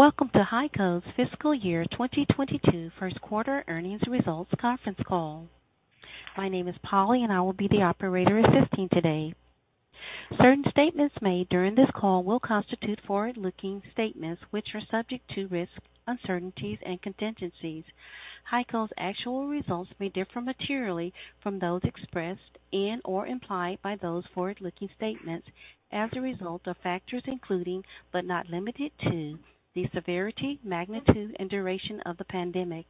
Welcome to HEICO's fiscal year 2022 first quarter earnings results conference call. My name is Polly, and I will be the operator assisting today. Certain statements made during this call will constitute forward-looking statements, which are subject to risks, uncertainties, and contingencies. HEICO's actual results may differ materially from those expressed and/or implied by those forward-looking statements as a result of factors including, but not limited to, the severity, magnitude, and duration of the pandemic,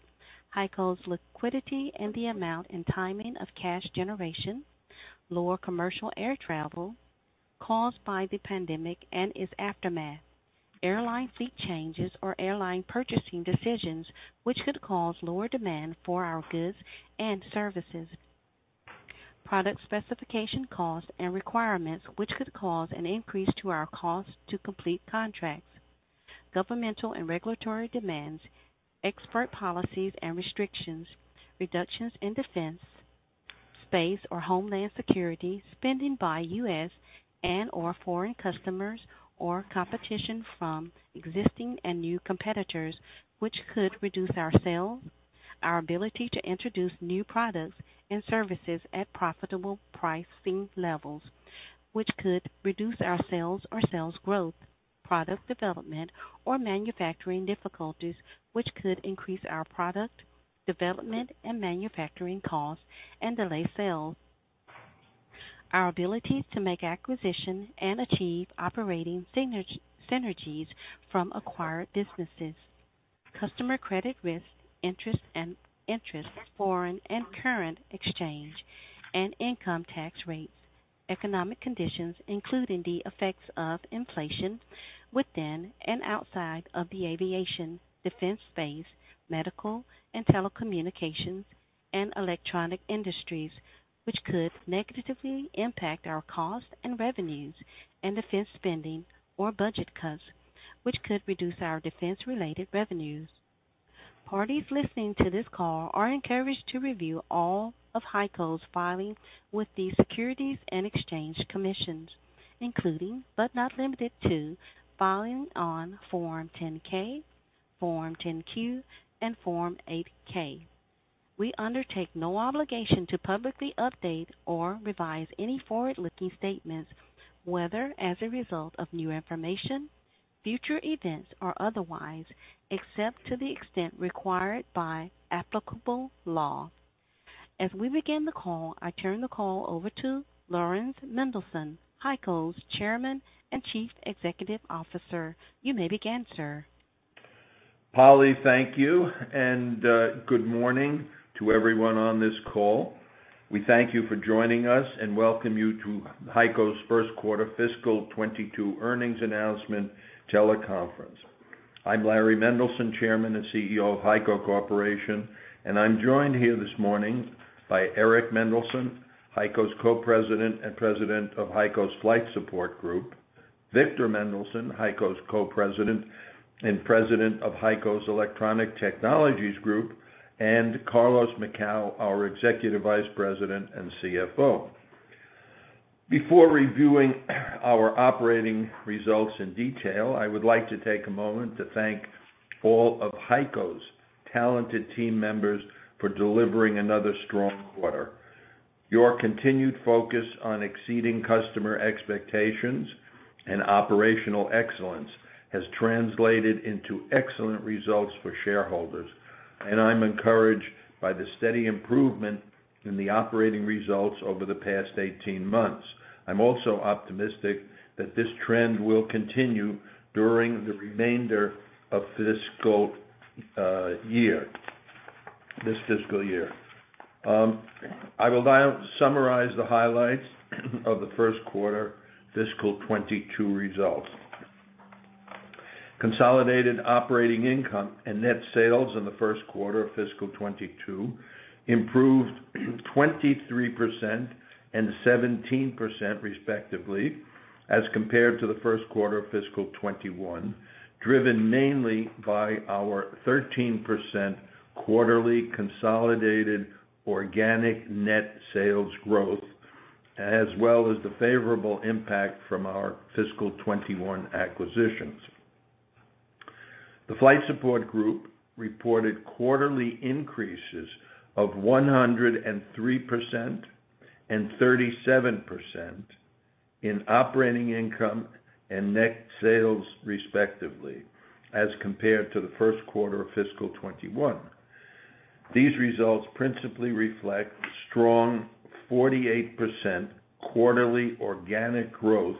HEICO's liquidity and the amount and timing of cash generation, lower commercial air travel caused by the pandemic and its aftermath, airline fleet changes or airline purchasing decisions, which could cause lower demand for our goods and services. Product specification costs and requirements, which could cause an increase to our cost to complete contracts, governmental and regulatory demands, export policies and restrictions, reductions in defense, space, or homeland security spending by U.S. and/or foreign customers, or competition from existing and new competitors which could reduce our sales, our ability to introduce new products and services at profitable pricing levels, which could reduce our sales or sales growth, product development, or manufacturing difficulties, which could increase our product development and manufacturing costs and delay sales. Our abilities to make acquisitions and achieve operating synergies from acquired businesses, customer credit risk, interest, foreign currency exchange, and income tax rates. Economic conditions, including the effects of inflation within and outside of the aviation, defense, space, medical and telecommunications, and electronic industries, which could negatively impact our costs and revenues, and defense spending or budget cuts, which could reduce our defense-related revenues. Parties listening to this call are encouraged to review all of HEICO's filings with the Securities and Exchange Commission, including, but not limited to, filing on Form 10-K, Form 10-Q, and Form 8-K. We undertake no obligation to publicly update or revise any forward-looking statements, whether as a result of new information, future events, or otherwise, except to the extent required by applicable law. As we begin the call, I turn the call over to Laurans Mendelson, HEICO's Chairman and Chief Executive Officer. You may begin, sir. Polly, thank you, and good morning to everyone on this call. We thank you for joining us and welcome you to HEICO's first quarter fiscal 2022 earnings announcement teleconference. I'm Larry Mendelson, Chairman and CEO of HEICO Corporation, and I'm joined here this morning by Eric Mendelson, HEICO's Co-President and President of HEICO's Flight Support Group, Victor Mendelson, HEICO's Co-President and President of HEICO's Electronic Technologies Group, and Carlos Macau, our Executive Vice President and CFO. Before reviewing our operating results in detail, I would like to take a moment to thank all of HEICO's talented team members for delivering another strong quarter. Your continued focus on exceeding customer expectations and operational excellence has translated into excellent results for shareholders, and I'm encouraged by the steady improvement in the operating results over the past 18 months. I'm also optimistic that this trend will continue during the remainder of fiscal year, this fiscal year. I will now summarize the highlights of the first quarter fiscal 2022 results. Consolidated operating income and net sales in the first quarter of fiscal 2022 improved 23% and 17%, respectively, as compared to the first quarter of fiscal 2021, driven mainly by our 13% quarterly consolidated organic net sales growth, as well as the favorable impact from our fiscal 2021 acquisitions. The Flight Support Group reported quarterly increases of 103% and 37% in operating income and net sales, respectively, as compared to the first quarter of fiscal 2021. These results principally reflect strong 48% quarterly organic growth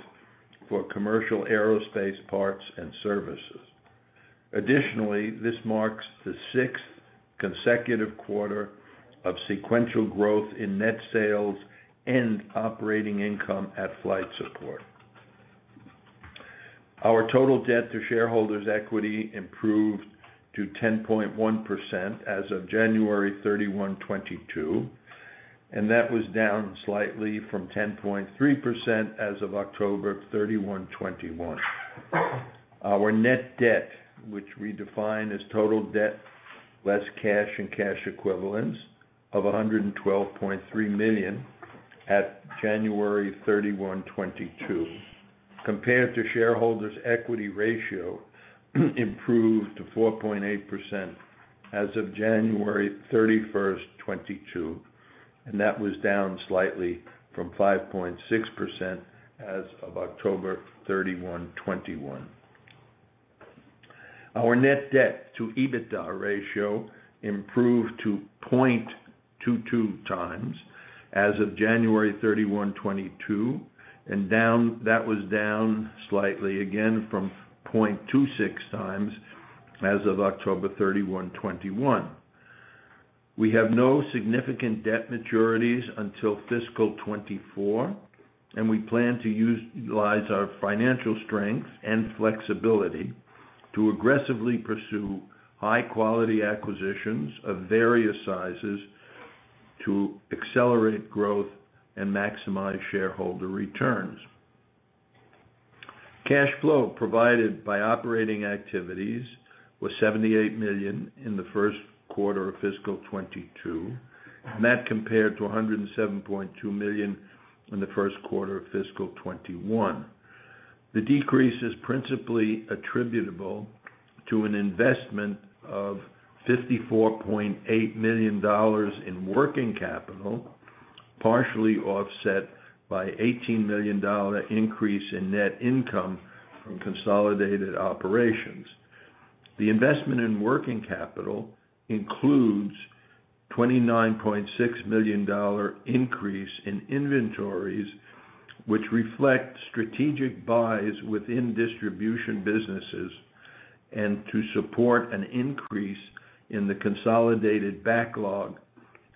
for commercial aerospace parts and services. Additionally, this marks the sixth consecutive quarter of sequential growth in net sales and operating income at Flight Support. Our total debt to shareholders' equity improved to 10.1% as of January 31, 2022, and that was down slightly from 10.3% as of October 31, 2021. Our net debt, which we define as total debt less cash and cash equivalents of $112.3 million at January 31, 2022 compared to shareholders' equity ratio improved to 4.8% as of January 31, 2022, and that was down slightly from 5.6% as of October 31, 2021. Our net debt to EBITDA ratio improved to 0.22 times as of January 31, 2022 and that was down slightly again from 0.26 times as of October 31, 2021. We have no significant debt maturities until fiscal 2024, and we plan to utilize our financial strength and flexibility to aggressively pursue high-quality acquisitions of various sizes to accelerate growth and maximize shareholder returns. Cash flow provided by operating activities was $78 million in the first quarter of fiscal 2022, and that compared to $107.2 million in the first quarter of fiscal 2021. The decrease is principally attributable to an investment of $54.8 million in working capital, partially offset by $18 million increase in net income from consolidated operations. The investment in working capital includes $29.6 million increase in inventories, which reflect strategic buys within distribution businesses and to support an increase in the consolidated backlog,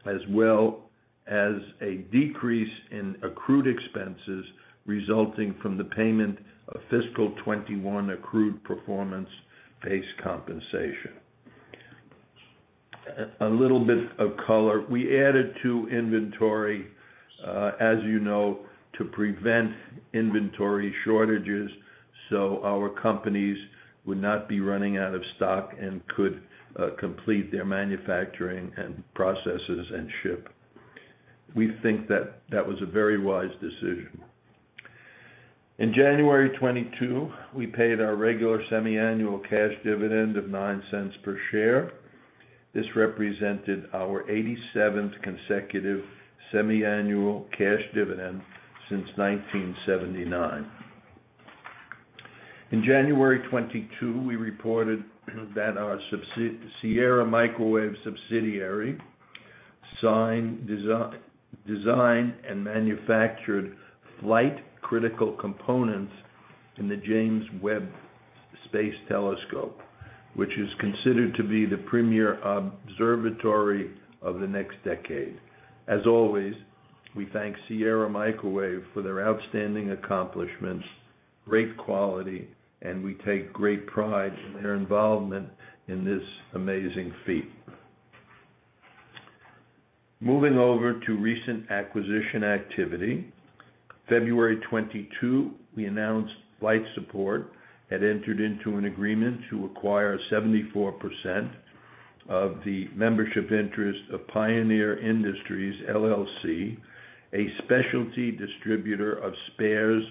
as well as a decrease in accrued expenses resulting from the payment of fiscal 2021 accrued performance-based compensation. A little bit of color. We added to inventory, as you know, to prevent inventory shortages, so our companies would not be running out of stock and could complete their manufacturing and processes and ship. We think that was a very wise decision. In January 2022, we paid our regular semiannual cash dividend of $0.09 per share. This represented our eighty-seventh consecutive semiannual cash dividend since 1979. In January 2022, we reported that our subsidiary Sierra Microwave designed and manufactured flight critical components in the James Webb Space Telescope, which is considered to be the premier observatory of the next decade. As always, we thank Sierra Microwave for their outstanding accomplishments, great quality, and we take great pride in their involvement in this amazing feat. Moving over to recent acquisition activity. February 2022, we announced Flight Support had entered into an agreement to acquire 74% of the membership interest of Pioneer Industries LLC, a specialty distributor of spares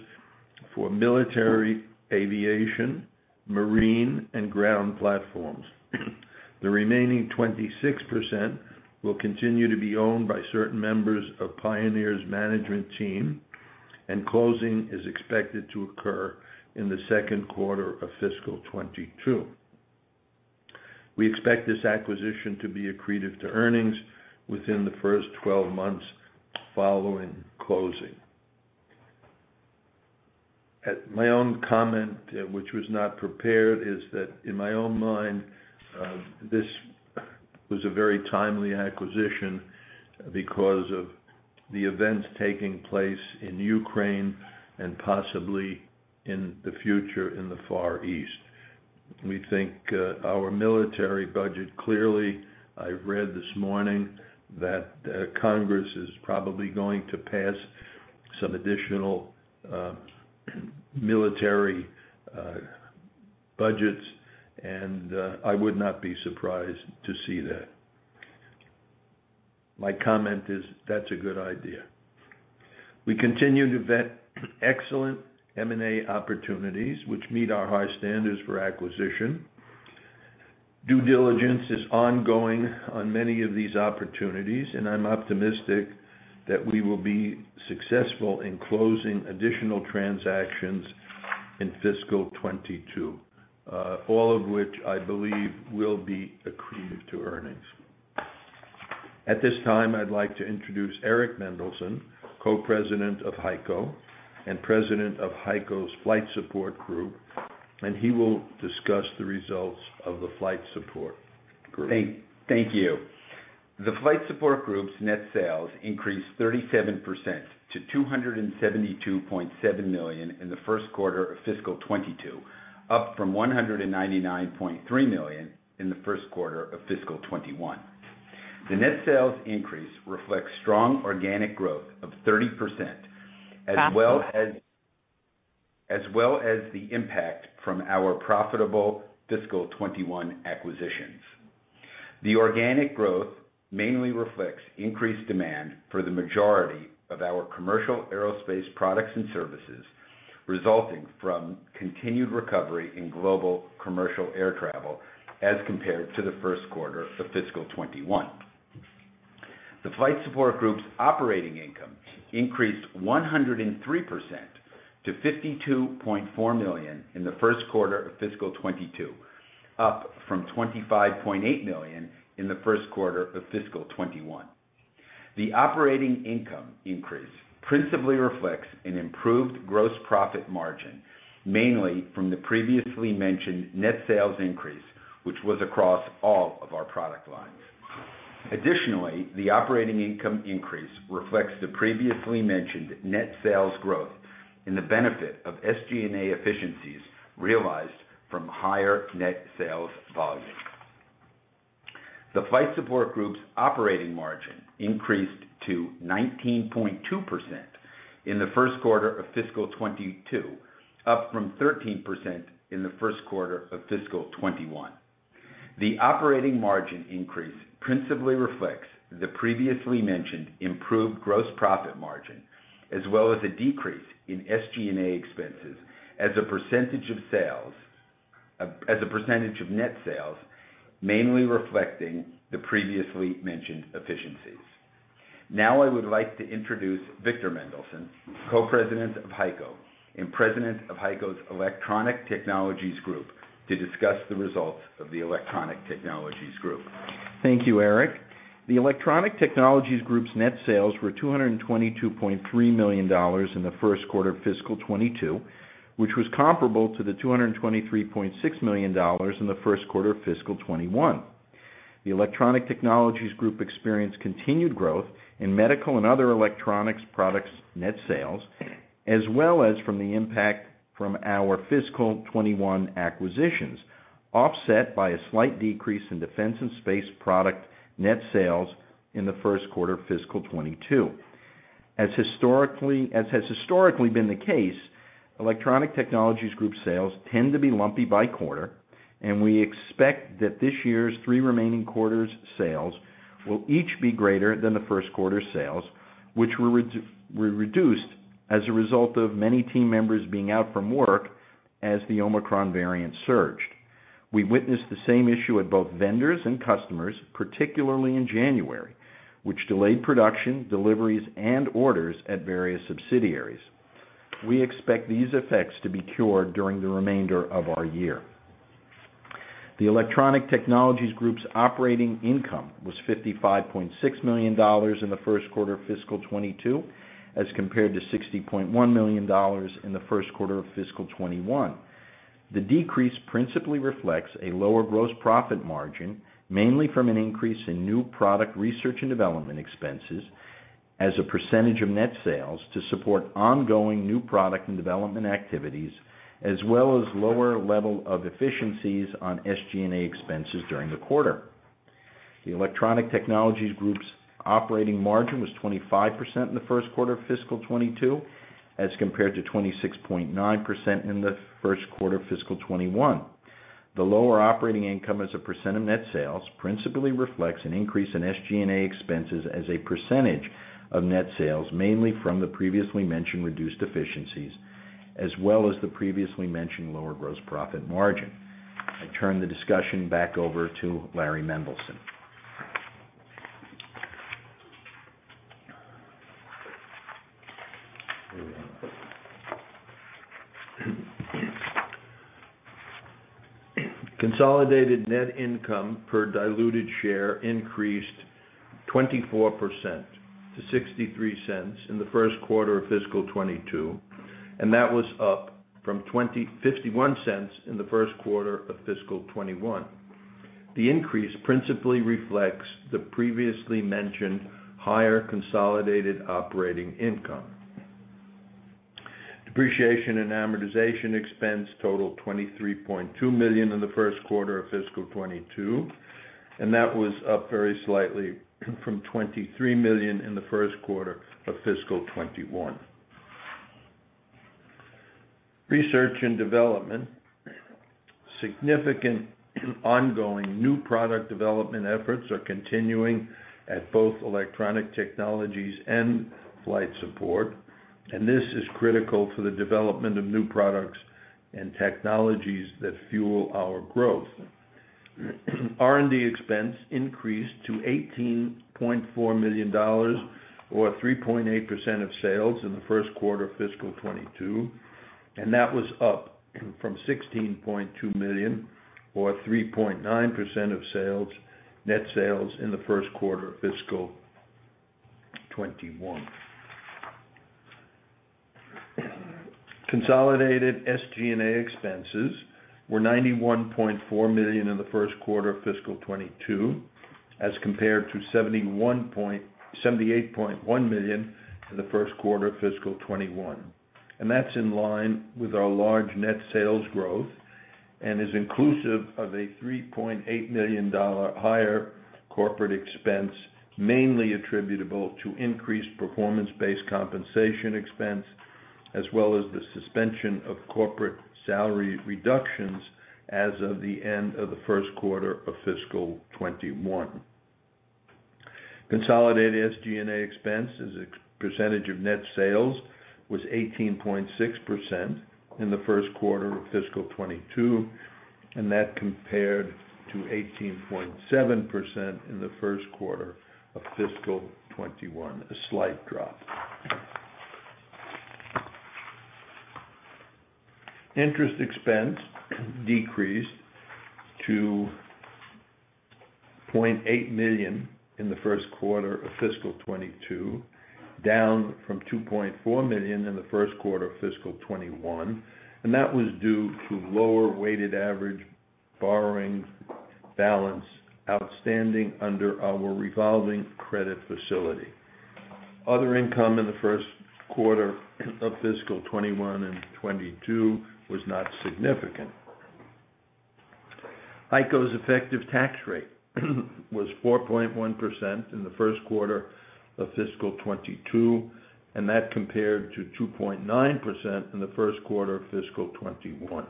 for military, aviation, marine, and ground platforms. The remaining 26% will continue to be owned by certain members of Pioneer's management team, and closing is expected to occur in the second quarter of fiscal 2022. We expect this acquisition to be accretive to earnings within the first 12 months following closing. My own comment, which was not prepared, is that in my own mind, this was a very timely acquisition because of the events taking place in Ukraine and possibly in the future in the Far East. We think our military budget clearly I read this morning that Congress is probably going to pass some additional military budgets, and I would not be surprised to see that. My comment is, that's a good idea. We continue to vet excellent M&A opportunities which meet our high standards for acquisition. Due diligence is ongoing on many of these opportunities, and I'm optimistic that we will be successful in closing additional transactions in fiscal 2022, all of which I believe will be accretive to earnings. At this time, I'd like to introduce Eric Mendelson, Co-President of HEICO and President of HEICO's Flight Support Group, and he will discuss the results of the Flight Support Group. Thank you. The Flight Support Group's net sales increased 37% to $272.7 million in the first quarter of fiscal 2022, up from $199.3 million in the first quarter of fiscal 2021. The net sales increase reflects strong organic growth of 30% as well as the impact from our profitable fiscal 2021 acquisitions. The organic growth mainly reflects increased demand for the majority of our commercial aerospace products and services, resulting from continued recovery in global commercial air travel as compared to the first quarter of fiscal 2021. The Flight Support Group's operating income increased 103% to $52.4 million in the first quarter of fiscal 2022, up from $25.8 million in the first quarter of fiscal 2021. The operating income increase principally reflects an improved gross profit margin, mainly from the previously mentioned net sales increase, which was across all of our product lines. Additionally, the operating income increase reflects the previously mentioned net sales growth and the benefit of SG&A efficiencies realized from higher net sales volume. The Flight Support Group's operating margin increased to 19.2% in the first quarter of fiscal 2022, up from 13% in the first quarter of fiscal 2021. The operating margin increase principally reflects the previously mentioned improved gross profit margin, as well as a decrease in SG&A expenses as a percentage of net sales, mainly reflecting the previously mentioned efficiencies. Now I would like to introduce Victor Mendelson, Co-President of HEICO and President of HEICO's Electronic Technologies Group, to discuss the results of the Electronic Technologies Group. Thank you, Eric. The Electronic Technologies Group's net sales were $222.3 million in the first quarter of fiscal 2022, which was comparable to the $223.6 million in the first quarter of fiscal 2021. The Electronic Technologies Group experienced continued growth in medical and other electronics products net sales, as well as from the impact from our fiscal 2021 acquisitions, offset by a slight decrease in defense and space product net sales in the first quarter of fiscal 2022. As has historically been the case, Electronic Technologies Group sales tend to be lumpy by quarter, and we expect that this year's three remaining quarters' sales will each be greater than the first quarter sales, which were reduced as a result of many team members being out from work as the Omicron variant surged. We witnessed the same issue at both vendors and customers, particularly in January, which delayed production, deliveries, and orders at various subsidiaries. We expect these effects to be cured during the remainder of our year. The Electronic Technologies Group's operating income was $55.6 million in the first quarter of fiscal 2022, as compared to $60.1 million in the first quarter of fiscal 2021. The decrease principally reflects a lower gross profit margin, mainly from an increase in new product research and development expenses as a percentage of net sales to support ongoing new product and development activities, as well as lower level of efficiencies on SG&A expenses during the quarter. The Electronic Technologies Group's operating margin was 25% in the first quarter of fiscal 2022, as compared to 26.9% in the first quarter of fiscal 2021. The lower operating income as a percent of net sales principally reflects an increase in SG&A expenses as a percentage of net sales, mainly from the previously mentioned reduced efficiencies, as well as the previously mentioned lower gross profit margin. I turn the discussion back over to Larry Mendelson. Consolidated net income per diluted share increased 24% to $0.63 in the first quarter of fiscal 2022, and that was up from $0.51 in the first quarter of fiscal 2021. The increase principally reflects the previously mentioned higher consolidated operating income. Depreciation and amortization expense totaled $23.2 million in the first quarter of fiscal 2022, and that was up very slightly from $23 million in the first quarter of fiscal 2021. Research and development. Significant ongoing new product development efforts are continuing at both Electronic Technologies and Flight Support, and this is critical for the development of new products and technologies that fuel our growth. R&D expense increased to $18.4 million or 3.8% of sales in the first quarter of fiscal 2022, and that was up from $16.2 million or 3.9% of sales, net sales in the first quarter of fiscal 2021. Consolidated SG&A expenses were $91.4 million in the first quarter of fiscal 2022, as compared to $78.1 million in the first quarter of fiscal 2021. That's in line with our large net sales growth. And is inclusive of a $3.8 million higher corporate expense, mainly attributable to increased performance-based compensation expense, as well as the suspension of corporate salary reductions as of the end of the first quarter of fiscal 2021. Consolidated SG&A expense as a percentage of net sales was 18.6% in the first quarter of fiscal 2022, and that compared to 18.7% in the first quarter of fiscal 2021, a slight drop. Interest expense decreased to $0.8 million in the first quarter of fiscal 2022, down from $2.4 million in the first quarter of fiscal 2021. That was due to lower weighted average borrowing balance outstanding under our revolving credit facility. Other income in the first quarter of fiscal 2021 and 2022 was not significant. HEICO's effective tax rate was 4.1% in the first quarter of fiscal 2022, and that compared to 2.9% in the first quarter of fiscal 2021.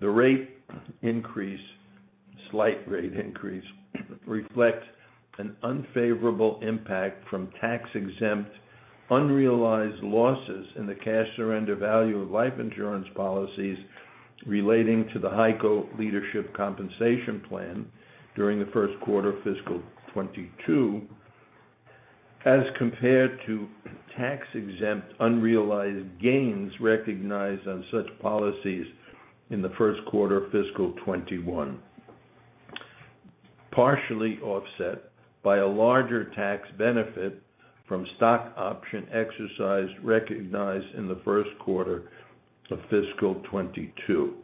The rate increase, slight rate increase, reflects an unfavorable impact from tax-exempt unrealized losses in the cash surrender value of life insurance policies relating to the HEICO Leadership Compensation Plan during the first quarter of fiscal 2022 as compared to tax-exempt unrealized gains recognized on such policies in the first quarter of fiscal 2021, partially offset by a larger tax benefit from stock option exercise recognized in the first quarter of fiscal 2022.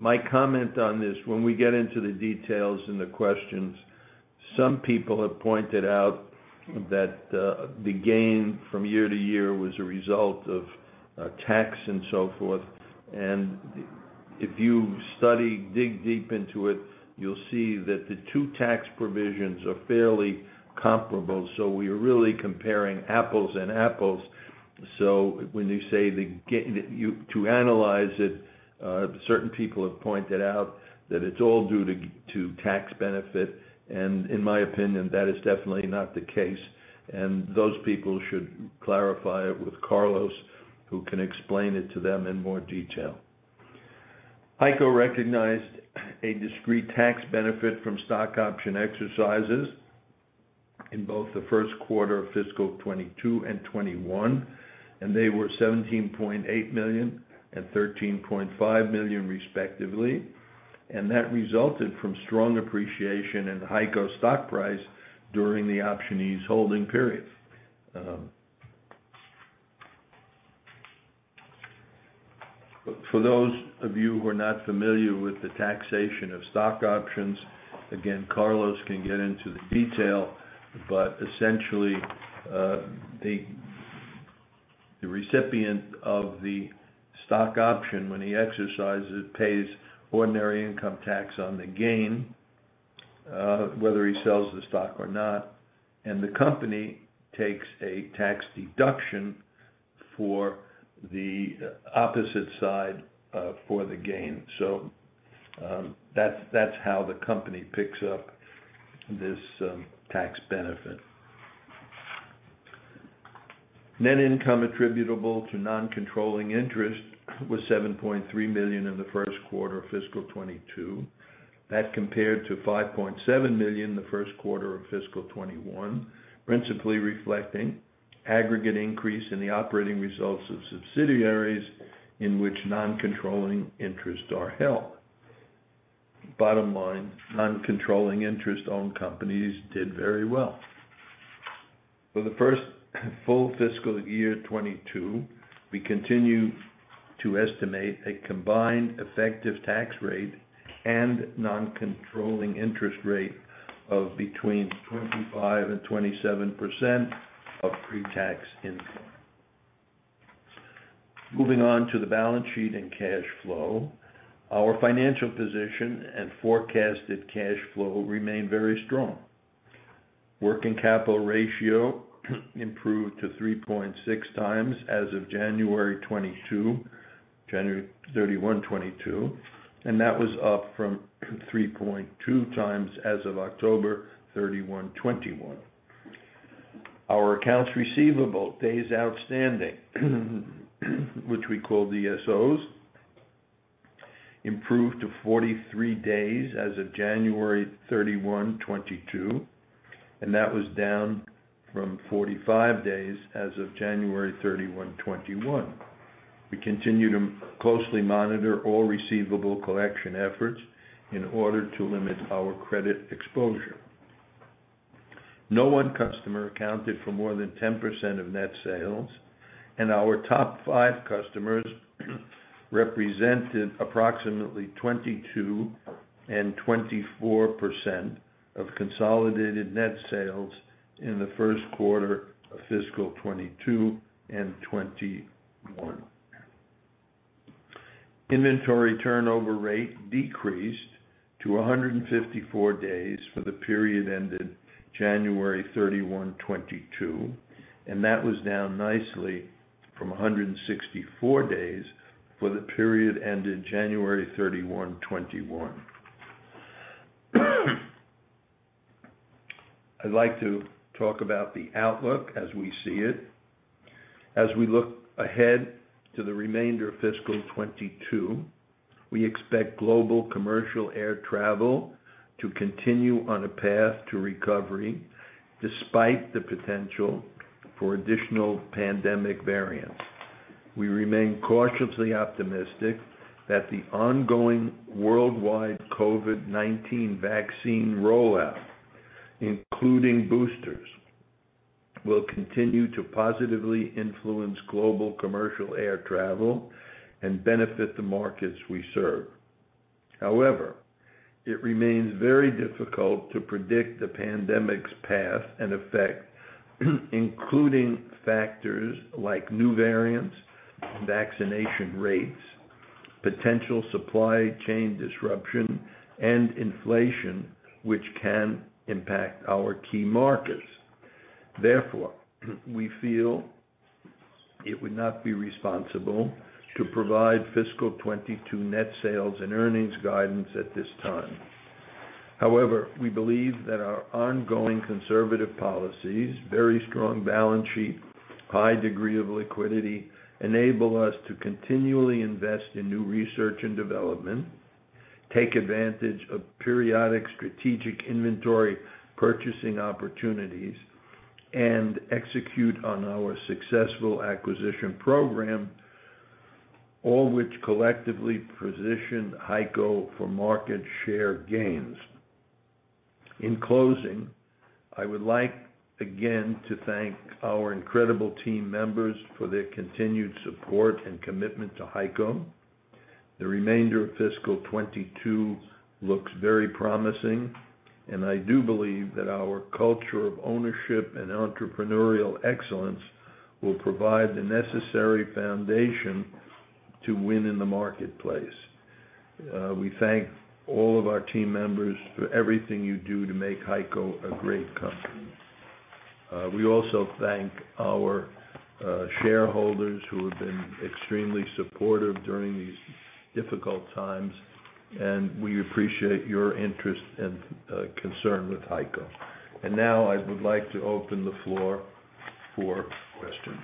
My comment on this, when we get into the details in the questions, some people have pointed out that the gain from year-to-year was a result of tax and so forth. If you study, dig deep into it, you'll see that the two tax provisions are fairly comparable, so we are really comparing apples and apples. When you say to analyze it, certain people have pointed out that it's all due to tax benefit. In my opinion, that is definitely not the case. Those people should clarify it with Carlos, who can explain it to them in more detail. HEICO recognized a discrete tax benefit from stock option exercises in both the first quarter of fiscal 2022 and 2021, and they were $17.8 million and $13.5 million, respectively. That resulted from strong appreciation in HEICO stock price during the optionees' holding period. For those of you who are not familiar with the taxation of stock options, again, Carlos can get into the detail. Essentially, the recipient of the stock option, when he exercises, pays ordinary income tax on the gain, whether he sells the stock or not. The company takes a tax deduction for the opposite side, for the gain. That's how the company picks up this tax benefit. Net income attributable to non-controlling interest was $7.3 million in the first quarter of fiscal 2022. That compared to $5.7 million in the first quarter of fiscal 2021. Principally reflecting aggregate increase in the operating results of subsidiaries in which non-controlling interests are held. Bottom line, non-controlling interest-owned companies did very well. For the first full fiscal year 2022, we continue to estimate a combined effective tax rate and non-controlling interest rate of between 25%-27% of pre-tax income. Moving on to the balance sheet and cash flow. Our financial position and forecasted cash flow remain very strong. Working capital ratio improved to 3.6 times as of January 2022, January 31, 2022, and that was up from 3.2 times as of October 31, 2021. Our accounts receivable days outstanding, which we call DSOs, improved to 43 days as of January 31, 2022, and that was down from 45 days as of January 31, 2021. We continue to closely monitor all receivable collection efforts in order to limit our credit exposure. No one customer accounted for more than 10% of net sales, and our top five customers represented approximately 22% and 24% of consolidated net sales in the first quarter of fiscal 2022 and 2021. Inventory turnover rate decreased to 154 days for the period ended January 31, 2022, and that was down nicely from 164 days for the period ended January 31, 2021. I'd like to talk about the outlook as we see it. As we look ahead to the remainder of fiscal 2022, we expect global commercial air travel to continue on a path to recovery despite the potential for additional pandemic variants. We remain cautiously optimistic that the ongoing worldwide COVID-19 vaccine rollout, including boosters, will continue to positively influence global commercial air travel and benefit the markets we serve. However, it remains very difficult to predict the pandemic's path and effect, including factors like new variants, vaccination rates, potential supply chain disruption, and inflation, which can impact our key markets. Therefore, we feel it would not be responsible to provide fiscal 2022 net sales and earnings guidance at this time. However, we believe that our ongoing conservative policies, very strong balance sheet, high degree of liquidity enable us to continually invest in new research and development, take advantage of periodic strategic inventory purchasing opportunities, and execute on our successful acquisition program, all which collectively position HEICO for market share gains. In closing, I would like again to thank our incredible team members for their continued support and commitment to HEICO. The remainder of fiscal 2022 looks very promising, and I do believe that our culture of ownership and entrepreneurial excellence will provide the necessary foundation to win in the marketplace. We thank all of our team members for everything you do to make HEICO a great company. We also thank our shareholders who have been extremely supportive during these difficult times, and we appreciate your interest and concern with HEICO. Now I would like to open the floor for questions.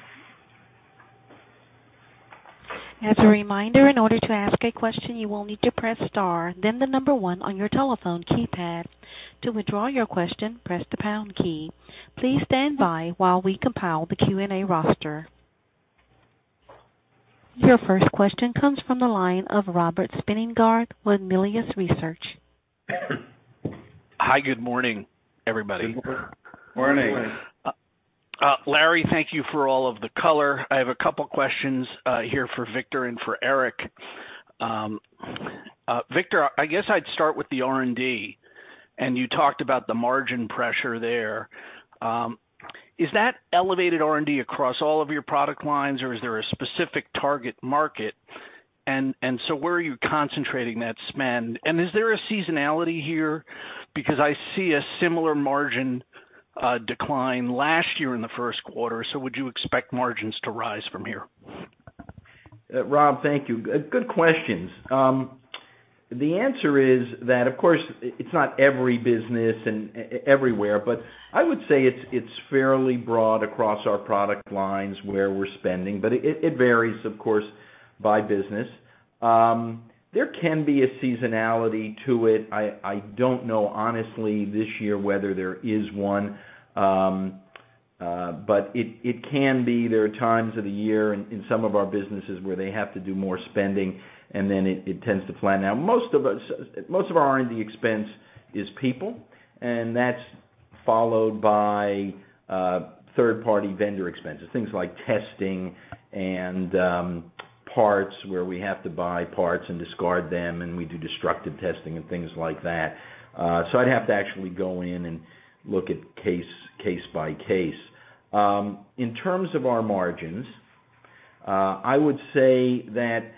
As a reminder, in order to ask a question, you will need to press star then one on your telephone keypad. To withdraw your question, press the pound key. Please stand by while we compile the Q&A roster. Your first question comes from the line of Robert Spingarn with Melius Research. Hi, good morning, everybody. Morning. Larry, thank you for all of the color. I have a couple questions here for Victor and for Eric. Victor, I guess I'd start with the R&D. You talked about the margin pressure there. Is that elevated R&D across all of your product lines, or is there a specific target market? Where are you concentrating that spend? Is there a seasonality here? Because I see a similar margin decline last year in the first quarter, so would you expect margins to rise from here? Rob, thank you. Good questions. The answer is that, of course, it's not every business and everywhere, but I would say it's fairly broad across our product lines where we're spending, but it varies, of course, by business. There can be a seasonality to it. I don't know honestly this year whether there is one. But it can be. There are times of the year in some of our businesses where they have to do more spending, and then it tends to flatten out. Most of our R&D expense is people, and that's followed by third-party vendor expenses, things like testing and parts where we have to buy parts and discard them, and we do destructive testing and things like that. I'd have to actually go in and look at case by case. In terms of our margins, I would say that,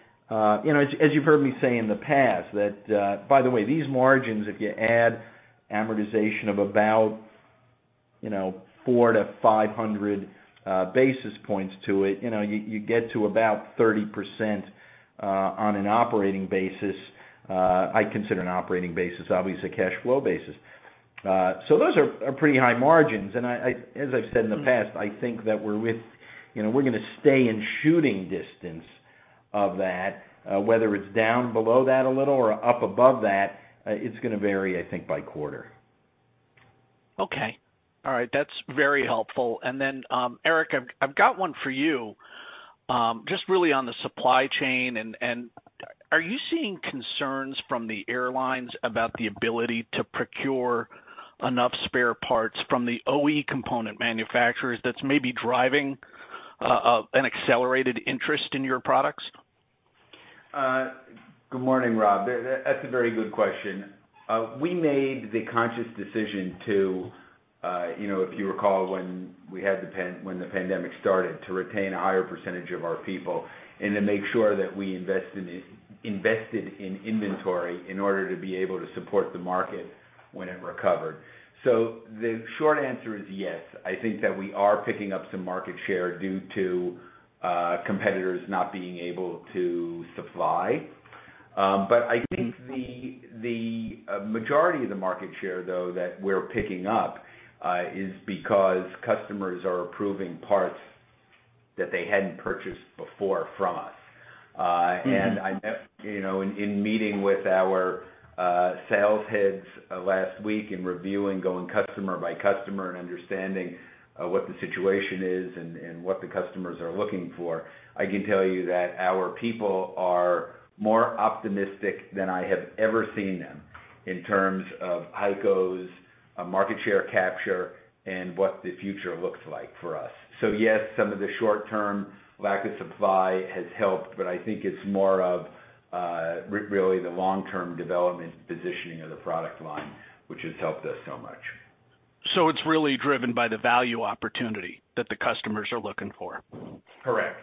you know, as you've heard me say in the past that... By the way, these margins, if you add amortization of about, you know, 400-500 basis points to it, you know, you get to about 30% on an operating basis, I consider an operating basis, obviously a cash flow basis. Those are pretty high margins. As I've said in the past, I think that we're with, you know, we're gonna stay in shooting distance of that, whether it's down below that a little or up above that, it's gonna vary, I think, by quarter. Okay. All right. That's very helpful. Eric, I've got one for you, just really on the supply chain. Are you seeing concerns from the airlines about the ability to procure enough spare parts from the OE component manufacturers that's maybe driving an accelerated interest in your products? Good morning, Rob. That's a very good question. We made the conscious decision to, you know, if you recall, when the pandemic started, to retain a higher percentage of our people and to make sure that we invested in inventory in order to be able to support the market when it recovered. The short answer is yes. I think that we are picking up some market share due to competitors not being able to supply. But I think the majority of the market share, though, that we're picking up is because customers are approving parts that they hadn't purchased before from us. I, you know, in meeting with our sales heads last week and reviewing, going customer by customer and understanding what the situation is and what the customers are looking for, I can tell you that our people are more optimistic than I have ever seen them in terms of HEICO's market share capture and what the future looks like for us. Yes, some of the short-term lack of supply has helped, but I think it's more of really the long-term development positioning of the product line which has helped us so much. It's really driven by the value opportunity that the customers are looking for. Correct.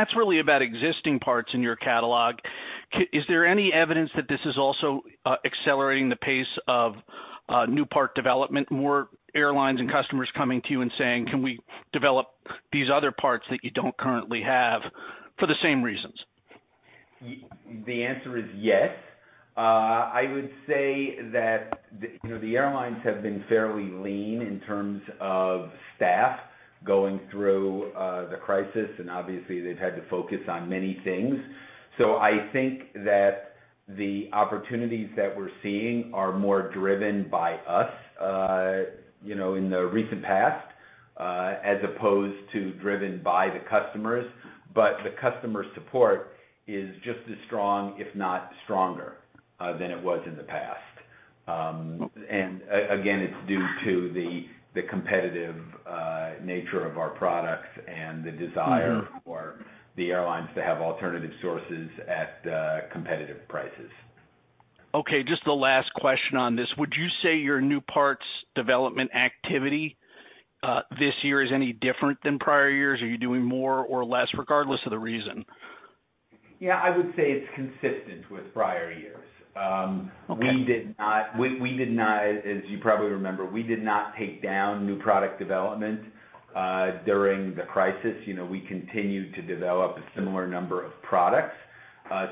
That's really about existing parts in your catalog. Is there any evidence that this is also accelerating the pace of new part development, more airlines and customers coming to you and saying, "Can we develop these other parts that you don't currently have for the same reasons? The answer is yes. I would say that, you know, the airlines have been fairly lean in terms of staff going through the crisis, and obviously they've had to focus on many things. I think that the opportunities that we're seeing are more driven by us, you know, in the recent past, as opposed to driven by the customers. The customer support is just as strong, if not stronger, than it was in the past. Again, it's due to the competitive nature of our products and the desire for the airlines to have alternative sources at competitive prices. Okay, just the last question on this. Would you say your new parts development activity, this year is any different than prior years? Are you doing more or less, regardless of the reason? Yeah, I would say it's consistent with prior years. Okay. As you probably remember, we did not take down new product development during the crisis. You know, we continued to develop a similar number of products.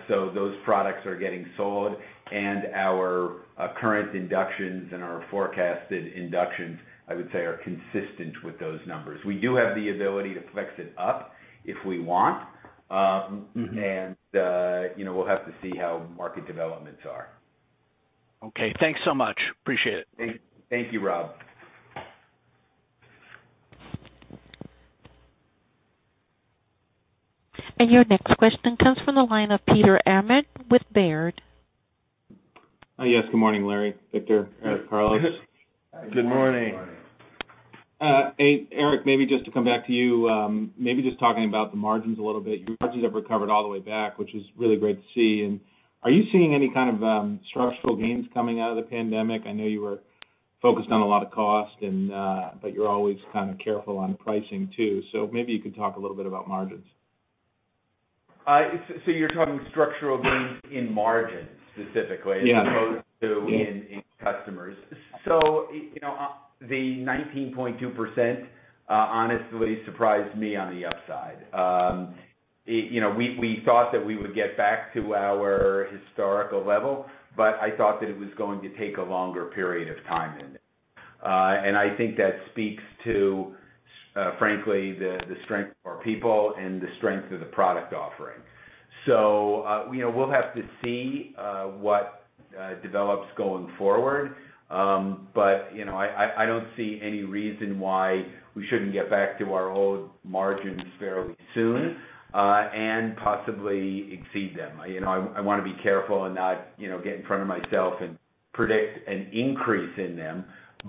Those products are getting sold and our current inductions and our forecasted inductions, I would say, are consistent with those numbers. We do have the ability to flex it up if we want. You know, we'll have to see how market developments are. Okay, thanks so much. Appreciate it. Thank you, Rob. Your next question comes from the line of Peter Arment with Baird. Yes, good morning, Larry, Victor, Eric, Carlos. Good morning. Eric, maybe just to come back to you, maybe just talking about the margins a little bit. Your margins have recovered all the way back, which is really great to see. Are you seeing any kind of structural gains coming out of the pandemic? I know you were focused on a lot of cost and but you're always kind of careful on pricing too. Maybe you could talk a little bit about margins. You're talking structural gains in margins specifically. Yeah. As opposed to in customers. You know, the 19.2% honestly surprised me on the upside. You know, we thought that we would get back to our historical level, but I thought that it was going to take a longer period of time than this. I think that speaks to, frankly, the strength of our people and the strength of the product offering. You know, we'll have to see what develops going forward. You know, I don't see any reason why we shouldn't get back to our old margins fairly soon, and possibly exceed them. You know, I wanna be careful and not, you know, get in front of myself and predict an increase in them.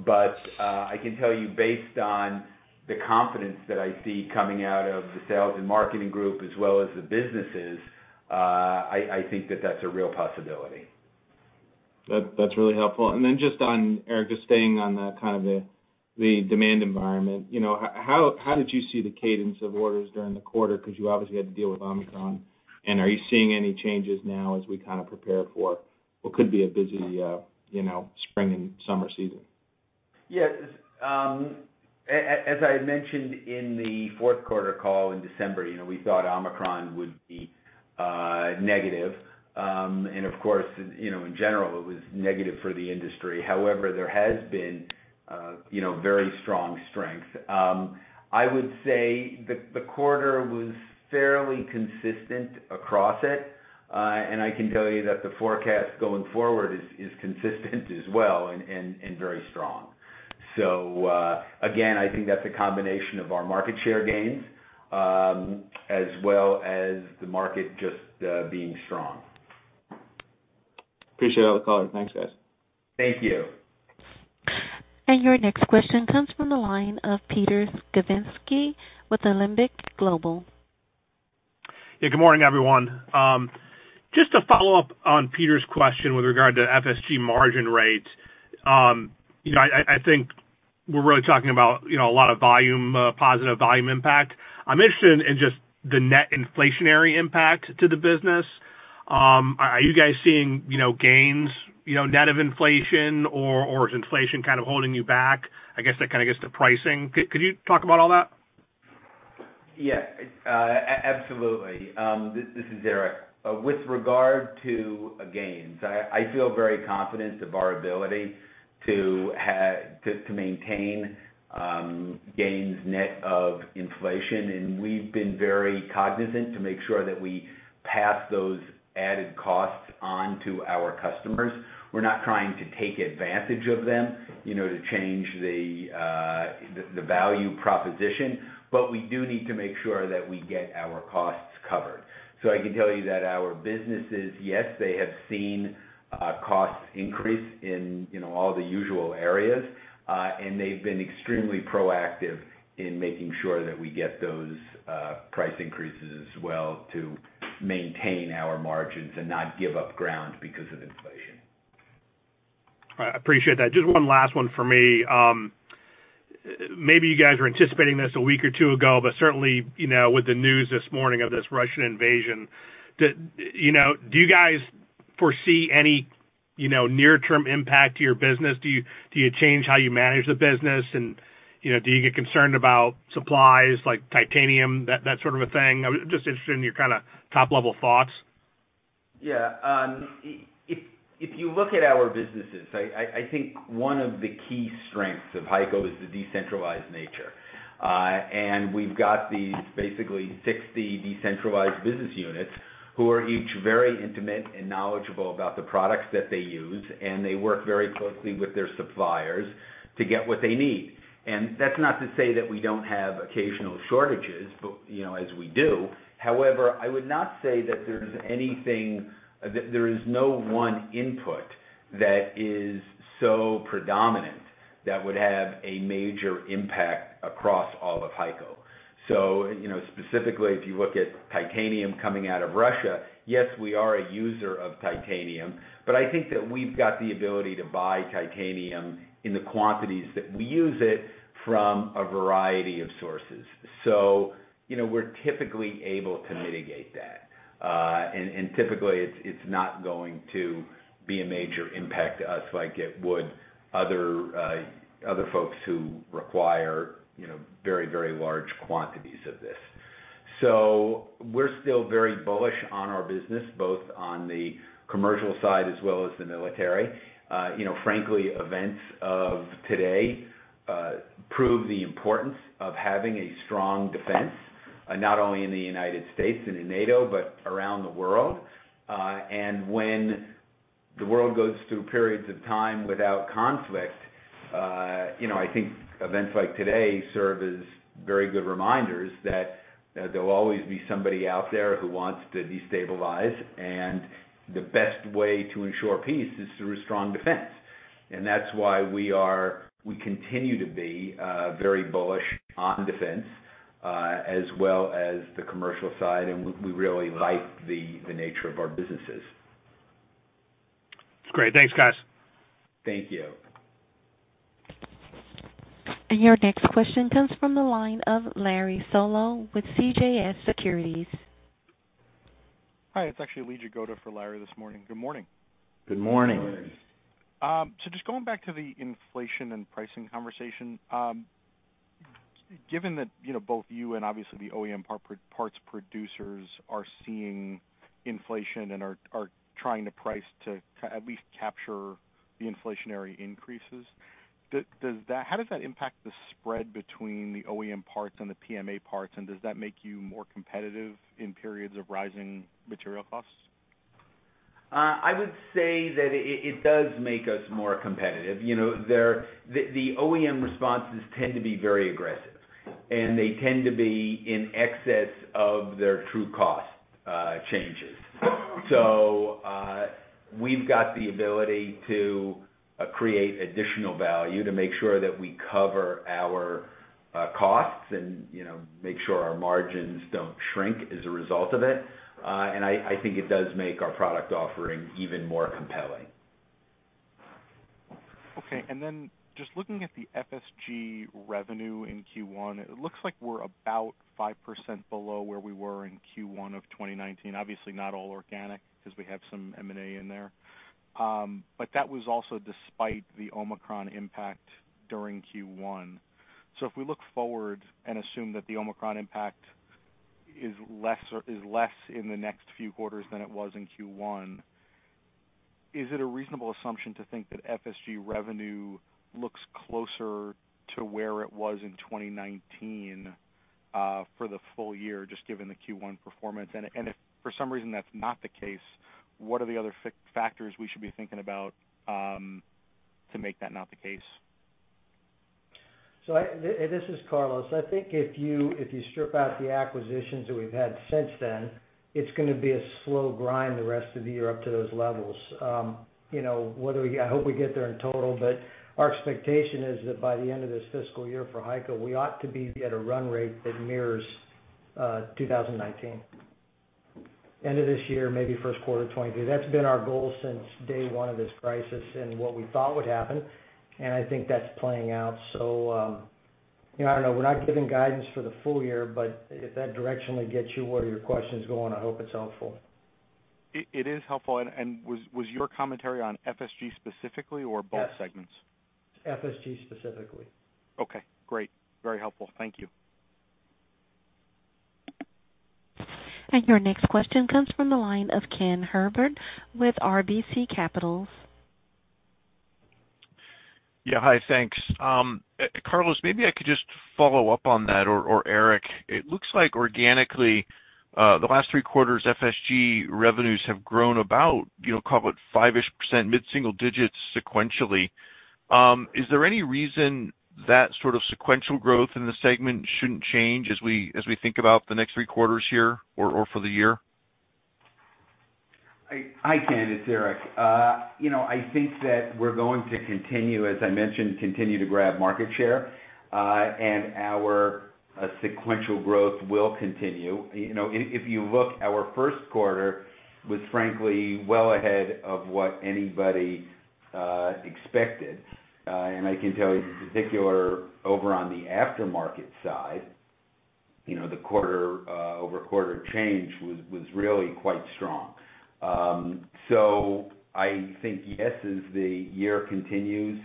I can tell you based on the confidence that I see coming out of the sales and marketing group as well as the businesses, I think that that's a real possibility. That's really helpful. Then just on Eric, just staying on the kind of the demand environment. You know, how did you see the cadence of orders during the quarter? 'Cause you obviously had to deal with Omicron. Are you seeing any changes now as we kind of prepare for what could be a busy, you know, spring and summer season? Yes. As I mentioned in the fourth quarter call in December, you know, we thought Omicron would be negative. Of course, you know, in general, it was negative for the industry. However, there has been, you know, very strong strength. I would say the quarter was fairly consistent across it, and I can tell you that the forecast going forward is consistent as well and very strong. Again, I think that's a combination of our market share gains, as well as the market just being strong. Appreciate all the color. Thanks, guys. Thank you. Your next question comes from the line of Peter Skibitski with Alembic Global. Yeah. Good morning, everyone. Just to follow up on Peter's question with regard to FSG margin rate, you know, I think we're really talking about, you know, a lot of volume, positive volume impact. I'm interested in just the net inflationary impact to the business. Are you guys seeing, you know, gains, you know, net of inflation or is inflation kind of holding you back? I guess that kind of gets to pricing. Could you talk about all that? Yeah. Absolutely. This is Eric. With regard to gains, I feel very confident of our ability to maintain gains net of inflation, and we've been very cognizant to make sure that we pass those added costs on to our customers. We're not trying to take advantage of them, you know, to change the value proposition, but we do need to make sure that we get our costs covered. I can tell you that our businesses, yes, they have seen costs increase in, you know, all the usual areas, and they've been extremely proactive in making sure that we get those price increases as well to maintain our margins and not give up ground because of inflation. I appreciate that. Just one last one for me. Maybe you guys were anticipating this a week or two ago, but certainly, you know, with the news this morning of this Russian invasion, do you know, do you guys foresee any, you know, near-term impact to your business? Do you change how you manage the business? You know, do you get concerned about supplies like titanium, that sort of a thing? I'm just interested in your kinda top-level thoughts. If you look at our businesses, I think one of the key strengths of HEICO is the decentralized nature. We've got these basically 60 decentralized business units who are each very intimate and knowledgeable about the products that they use, and they work very closely with their suppliers to get what they need. That's not to say that we don't have occasional shortages, but, you know, as we do. However, I would not say that there's anything, there is no one input that is so predominant that would have a major impact across all of HEICO. You know, specifically, if you look at titanium coming out of Russia, yes, we are a user of titanium, but I think that we've got the ability to buy titanium in the quantities that we use it from a variety of sources. You know, we're typically able to mitigate that. And typically it's not going to be a major impact to us like it would other folks who require, you know, very, very large quantities of this. We're still very bullish on our business, both on the commercial side as well as the military. You know, frankly, events of today prove the importance of having a strong defense, not only in the United States and in NATO, but around the world. When the world goes through periods of time without conflict, you know, I think events like today serve as very good reminders that there will always be somebody out there who wants to destabilize, and the best way to ensure peace is through a strong defense. That's why we continue to be very bullish on defense as well as the commercial side, and we really like the nature of our businesses. Great. Thanks, guys. Thank you. Your next question comes from the line of Larry Solow with CJS Securities. Hi. It's actually Lee Jagoda for Larry this morning. Good morning. Good morning. Just going back to the inflation and pricing conversation, given that, you know, both you and obviously the OEM parts producers are seeing inflation and are trying to price to at least capture the inflationary increases, does that impact the spread between the OEM parts and the PMA parts? Does that make you more competitive in periods of rising material costs? I would say that it does make us more competitive. You know, their OEM responses tend to be very aggressive, and they tend to be in excess of their true cost changes. We've got the ability to create additional value to make sure that we cover our costs and, you know, make sure our margins don't shrink as a result of it. I think it does make our product offering even more compelling. Okay. Just looking at the FSG revenue in Q1, it looks like we're about 5% below where we were in Q1 of 2019. Obviously, not all organic because we have some M&A in there. But that was also despite the Omicron impact during Q1. If we look forward and assume that the Omicron impact is less in the next few quarters than it was in Q1, is it a reasonable assumption to think that FSG revenue looks closer to where it was in 2019 for the full year, just given the Q1 performance? If for some reason that's not the case, what are the other factors we should be thinking about to make that not the case? This is Carlos. I think if you strip out the acquisitions that we've had since then, it's gonna be a slow grind the rest of the year up to those levels. You know, I hope we get there in total, but our expectation is that by the end of this fiscal year for HEICO, we ought to be at a run rate that mirrors 2019 end of this year, maybe first quarter 2023. That's been our goal since day one of this crisis and what we thought would happen, and I think that's playing out. You know, I don't know, we're not giving guidance for the full year, but if that directionally gets you where your question's going, I hope it's helpful. It is helpful. Was your commentary on FSG specifically or both segments? Yes. FSG specifically. Okay, great. Very helpful. Thank you. Your next question comes from the line of Ken Herbert with RBC Capital. Yeah, hi. Thanks. Carlos, maybe I could just follow up on that, or Eric. It looks like organically, the last three quarters, FSG revenues have grown about, you know, call it 5%-ish, mid-single digits sequentially. Is there any reason that sort of sequential growth in the segment shouldn't change as we think about the next three quarters here or for the year? Hi, Ken. It's Eric. You know, I think that we're going to continue, as I mentioned, continue to grab market share. Our sequential growth will continue. You know, if you look, our first quarter was frankly well ahead of what anybody expected. I can tell you in particular, over on the aftermarket side, you know, the quarter-over-quarter change was really quite strong. I think, yes, as the year continues,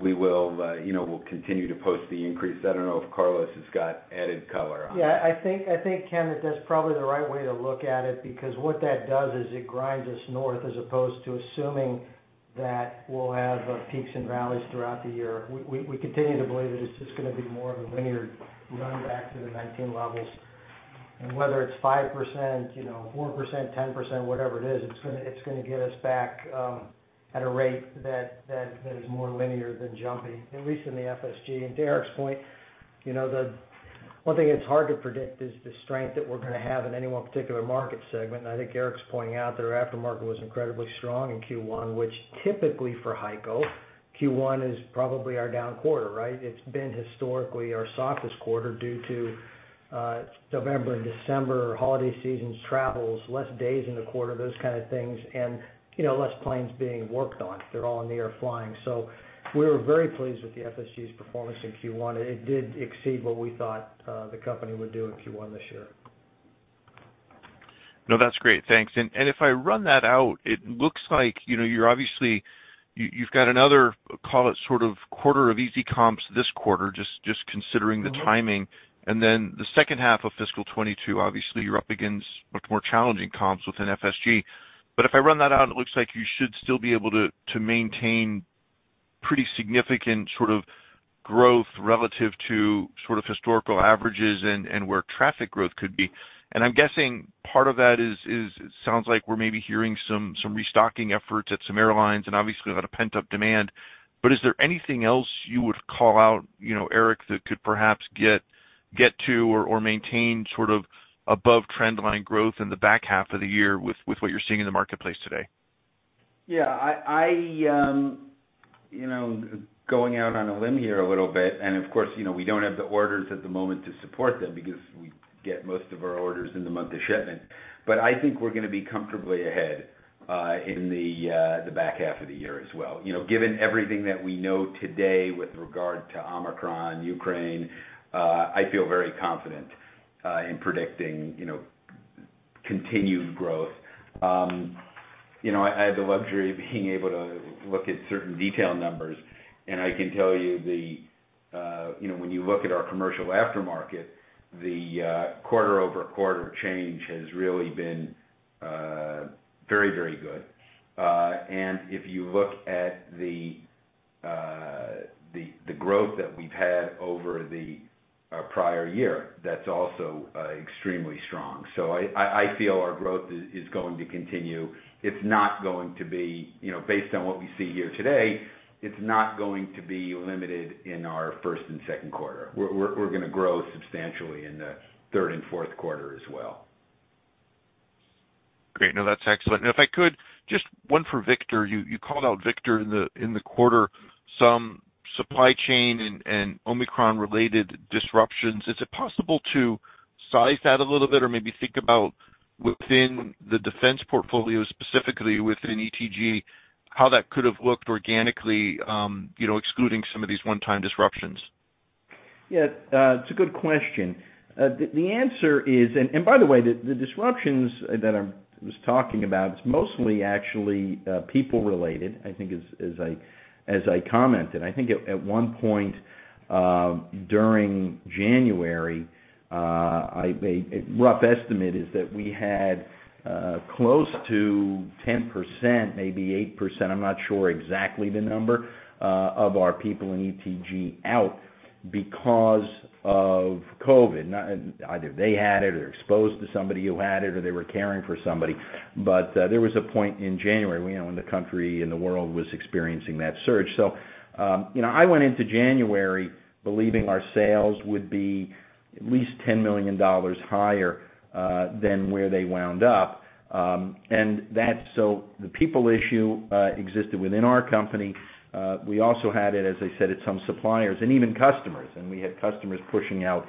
we will, you know, we'll continue to post the increase. I don't know if Carlos has got added color on that. Yeah, I think, Ken, that that's probably the right way to look at it because what that does is it grinds us north as opposed to assuming that we'll have peaks and valleys throughout the year. We continue to believe that it's just gonna be more of a linear run back to the 2019 levels. Whether it's 5%, you know, 4%, 10%, whatever it is, it's gonna get us back at a rate that is more linear than jumpy, at least in the FSG. To Eric's point, you know, the one thing that's hard to predict is the strength that we're gonna have in any one particular market segment. I think Eric's pointing out their aftermarket was incredibly strong in Q1, which typically for HEICO, Q1 is probably our down quarter, right? It's been historically our softest quarter due to November and December holiday seasons, travels, less days in the quarter, those kind of things, and, you know, less planes being worked on. They're all in the air flying. We were very pleased with the FSG's performance in Q1, and it did exceed what we thought the company would do in Q1 this year. No, that's great. Thanks. If I run that out, it looks like, you know, you're obviously. You've got another, call it sort of quarter of easy comps this quarter, just considering the timing. Then the second half of fiscal 2022, obviously you're up against much more challenging comps within FSG. If I run that out, it looks like you should still be able to maintain pretty significant sort of growth relative to sort of historical averages and where traffic growth could be. I'm guessing part of that is it sounds like we're maybe hearing some restocking efforts at some airlines and obviously a lot of pent-up demand. Is there anything else you would call out, you know, Eric, that could perhaps get to or maintain sort of above trend line growth in the back half of the year with what you're seeing in the marketplace today? Yeah, you know, going out on a limb here a little bit, and of course, you know, we don't have the orders at the moment to support them because we get most of our orders in the month of shipment, but I think we're gonna be comfortably ahead in the back half of the year as well. You know, given everything that we know today with regard to Omicron, Ukraine, I feel very confident in predicting, you know, continued growth. You know, I had the luxury of being able to look at certain detail numbers, and I can tell you know, when you look at our commercial aftermarket, the quarter-over-quarter change has really been very, very good. If you look at the growth that we've had over the prior year, that's also extremely strong. I feel our growth is going to continue. Based on what we see here today it's not going to be limited in our first and second quarter. We're gonna grow substantially in the third and fourth quarter as well. Great. No, that's excellent. If I could, just one for Victor. You called out Victor in the quarter, some supply chain and Omicron-related disruptions. Is it possible to size that a little bit or maybe think about within the defense portfolio, specifically within ETG, how that could have looked organically, you know, excluding some of these one-time disruptions? Yeah, it's a good question. The answer is. By the way, the disruptions that was talking about is mostly actually people related, I think as I commented. I think at one point during January a rough estimate is that we had close to 10%, maybe 8%, I'm not sure exactly the number of our people in ETG out. Because of COVID. Either they had it or exposed to somebody who had it, or they were caring for somebody. There was a point in January when, you know, when the country and the world was experiencing that surge. You know, I went into January believing our sales would be at least $10 million higher than where they wound up. And that's the people issue existed within our company. We also had it, as I said, at some suppliers and even customers, and we had customers pushing out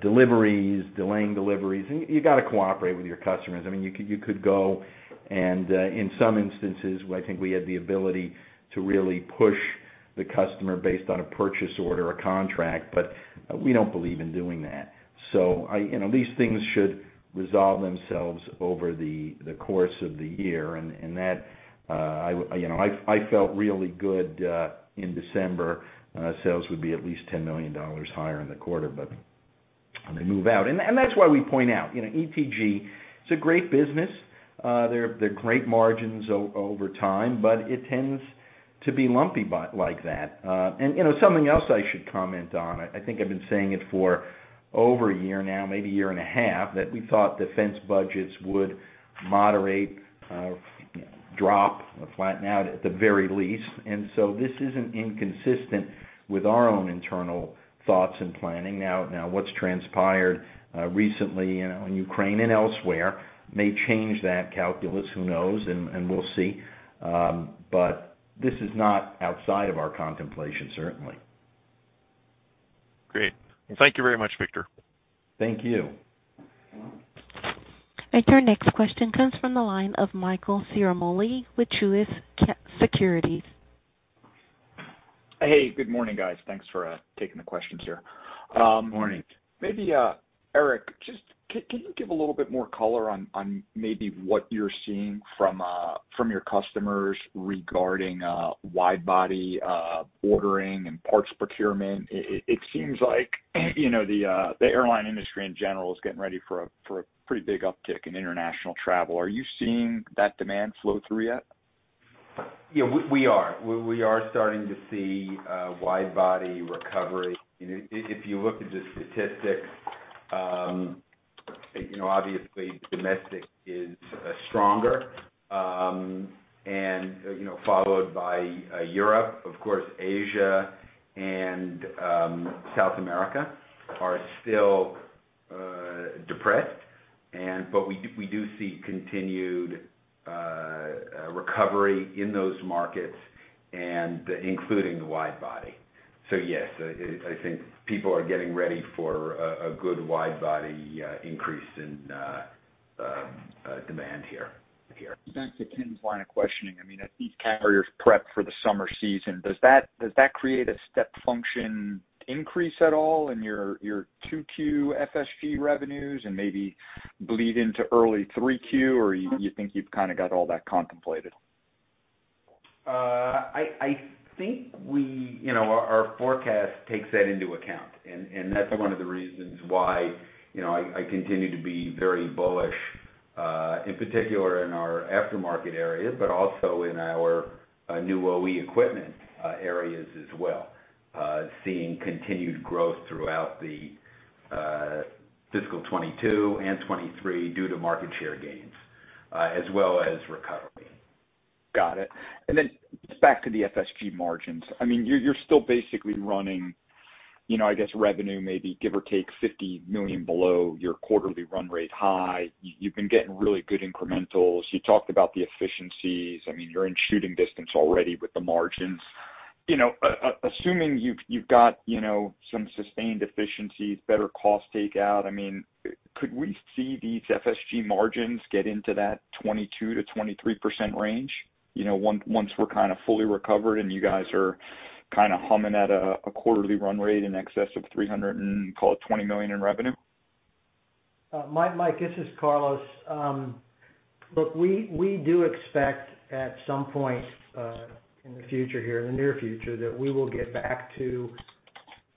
deliveries, delaying deliveries. You gotta cooperate with your customers. I mean, you could go and, in some instances, where I think we had the ability to really push the customer based on a purchase order or contract, but we don't believe in doing that. You know, these things should resolve themselves over the course of the year. That, you know, I felt really good in December, sales would be at least $10 million higher in the quarter, but they move out. That's why we point out, you know, ETG, it's a great business. There are great margins over time, but it tends to be lumpy, like that. You know, something else I should comment on, I think I've been saying it for over a year now, maybe a year and a half, that we thought defense budgets would moderate, drop or flatten out at the very least. This isn't inconsistent with our own internal thoughts and planning. Now what's transpired recently, you know, in Ukraine and elsewhere may change that calculus. Who knows? We'll see. This is not outside of our contemplation, certainly. Great. Thank you very much, Victor. Thank you. Your next question comes from the line of Michael Ciarmoli with Truist Securities. Hey, good morning, guys. Thanks for taking the questions here. Good morning. Maybe, Eric, can you give a little bit more color on maybe what you're seeing from your customers regarding wide-body ordering and parts procurement? It seems like, you know, the airline industry, in general, is getting ready for a pretty big uptick in international travel. Are you seeing that demand flow through yet? Yeah, we are. We are starting to see wide-body recovery. You know, if you look at the statistics, you know, obviously domestic is stronger, and, you know, followed by Europe. Of course, Asia and South America are still depressed. But we do see continued recovery in those markets and including the wide-body. So yes, I think people are getting ready for a good wide-body increase in demand here. Back to Ken's line of questioning. I mean, as these carriers prep for the summer season, does that create a step function increase at all in your 2Q FSG revenues and maybe bleed into early 3Q? Or you think you've kind of got all that contemplated? I think you know, our forecast takes that into account. That's one of the reasons why, you know, I continue to be very bullish, in particular in our aftermarket areas, but also in our new OE equipment areas as well, seeing continued growth throughout the fiscal 2022 and 2023 due to market share gains, as well as recovery. Got it. Back to the FSG margins. I mean, you're still basically running, you know, I guess revenue, maybe give or take $50 million below your quarterly run rate high. You've been getting really good incrementals. You talked about the efficiencies. I mean, you're in shooting distance already with the margins. You know, assuming you've got, you know, some sustained efficiencies, better cost takeout, I mean, could we see these FSG margins get into that 22%-23% range, you know, once we're kind of fully recovered and you guys are kind of humming at a quarterly run rate in excess of 300 and call it 20 million in revenue? Mike, this is Carlos. Look, we do expect at some point in the future here, in the near future, that we will get back to, you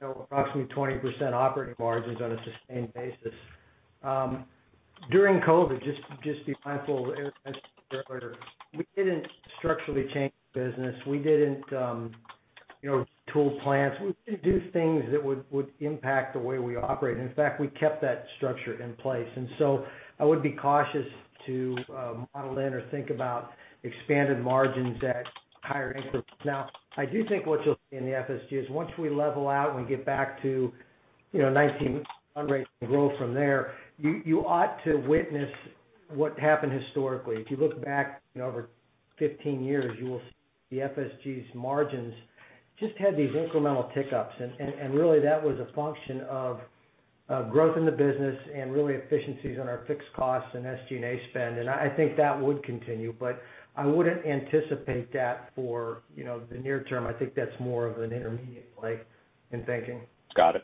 know, approximately 20% operating margins on a sustained basis. During COVID, just be mindful, as I said earlier, we didn't structurally change the business. We didn't, you know, tool plans. We didn't do things that would impact the way we operate. In fact, we kept that structure in place. I would be cautious to model in or think about expanded margins at higher increments. Now, I do think what you'll see in the FSG is once we level out and get back to, you know, 19% run rate and grow from there, you ought to witness what happened historically. If you look back, you know, over 15 years, you will see the FSG's margins just had these incremental tick ups. Really that was a function of growth in the business and really efficiencies on our fixed costs and SG&A spend. I think that would continue, but I wouldn't anticipate that for, you know, the near term. I think that's more of an intermediate play in thinking. Got it.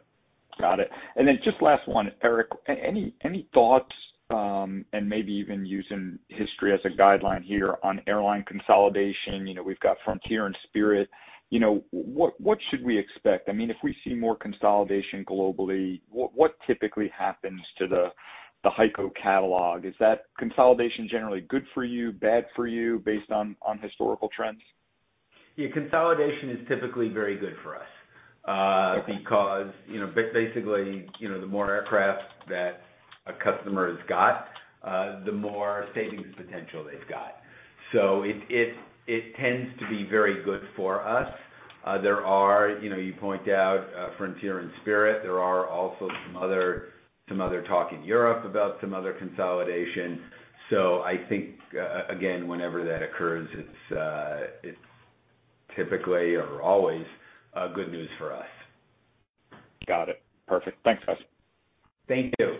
Just last one, Eric. Any thoughts, and maybe even using history as a guideline here on airline consolidation. You know, we've got Frontier and Spirit. You know, what should we expect? I mean, if we see more consolidation globally, what typically happens to the HEICO catalog? Is that consolidation generally good for you, bad for you based on historical trends? Yeah, consolidation is typically very good for us, because, you know, basically, you know, the more aircraft that a customer has got, the more savings potential they've got. So it tends to be very good for us. There are, you know, you point out, Frontier and Spirit, there are also some other talk in Europe about some other consolidation. So I think again, whenever that occurs, it's typically or always good news for us. Got it. Perfect. Thanks, guys. Thank you.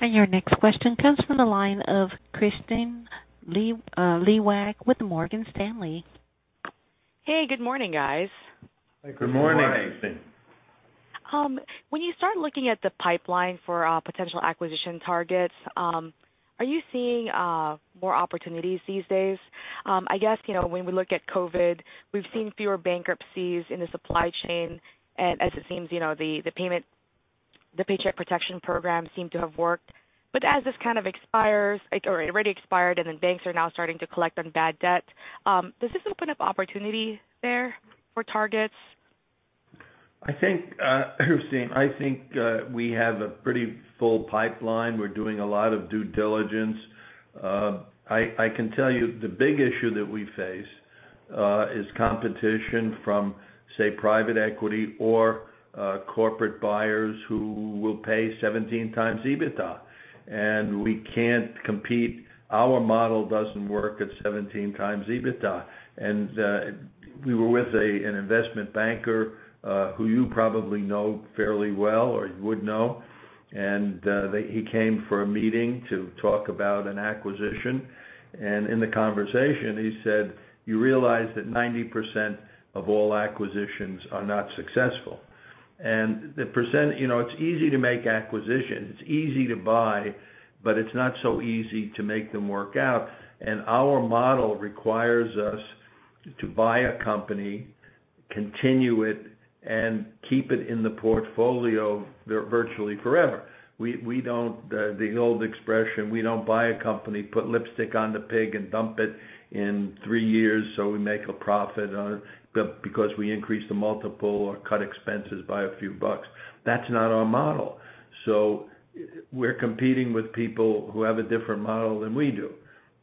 Your next question comes from the line of Kristine Liwag with Morgan Stanley. Hey, good morning, guys. Good morning. Good morning, Kristine. When you start looking at the pipeline for potential acquisition targets, are you seeing more opportunities these days? I guess, you know, when we look at COVID, we've seen fewer bankruptcies in the supply chain, and as it seems, you know, the Paycheck Protection Program seemed to have worked. As this kind of expires or it already expired and then banks are now starting to collect on bad debt, does this open up opportunity there for targets? I think, Kristine, I think we have a pretty full pipeline. We're doing a lot of due diligence. I can tell you the big issue that we face is competition from, say, private equity or corporate buyers who will pay 17 times EBITDA. We can't compete. Our model doesn't work at 17 times EBITDA. We were with an investment banker who you probably know fairly well or you would know, and he came for a meeting to talk about an acquisition. In the conversation, he said, "You realize that 90% of all acquisitions are not successful." You know, it's easy to make acquisitions, it's easy to buy, but it's not so easy to make them work out. Our model requires us to buy a company, continue it, and keep it in the portfolio virtually forever. We don't the old expression, we don't buy a company, put lipstick on the pig and dump it in three years, so we make a profit on it because we increased the multiple or cut expenses by a few bucks. That's not our model. We're competing with people who have a different model than we do.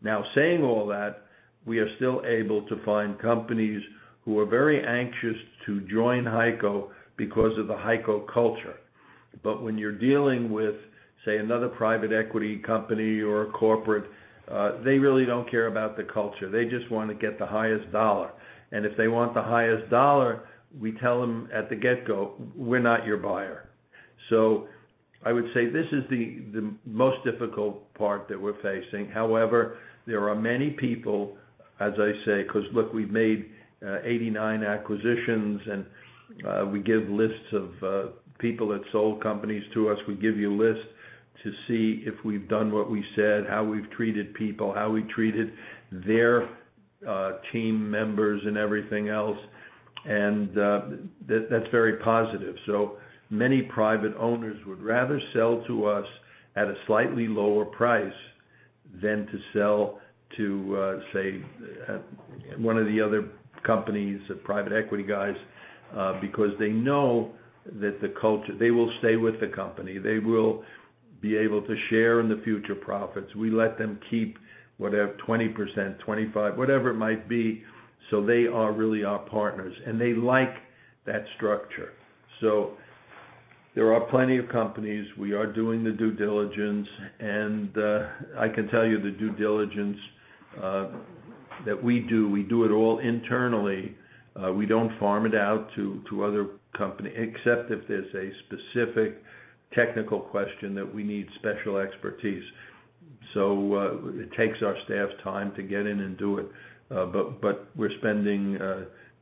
Now, saying all that, we are still able to find companies who are very anxious to join HEICO because of the HEICO culture. When you're dealing with, say, another private equity company or a corporate, they really don't care about the culture. They just wanna get the highest dollar. If they want the highest dollar, we tell them at the get-go, "We're not your buyer." I would say this is the most difficult part that we're facing. However, there are many people, as I say, 'cause look, we've made 89 acquisitions, and we give lists of people that sold companies to us. We give you lists to see if we've done what we said, how we've treated people, how we treated their team members and everything else, and that's very positive. Many private owners would rather sell to us at a slightly lower price than to sell to, say, one of the other companies or private equity guys, because they know that the culture. They will stay with the company. They will be able to share in the future profits. We let them keep whatever 20%, 25%, whatever it might be, so they are really our partners, and they like that structure. There are plenty of companies. We are doing the due diligence. I can tell you the due diligence that we do, we do it all internally. We don't farm it out to other company, except if there's a specific technical question that we need special expertise. It takes our staff's time to get in and do it. We're spending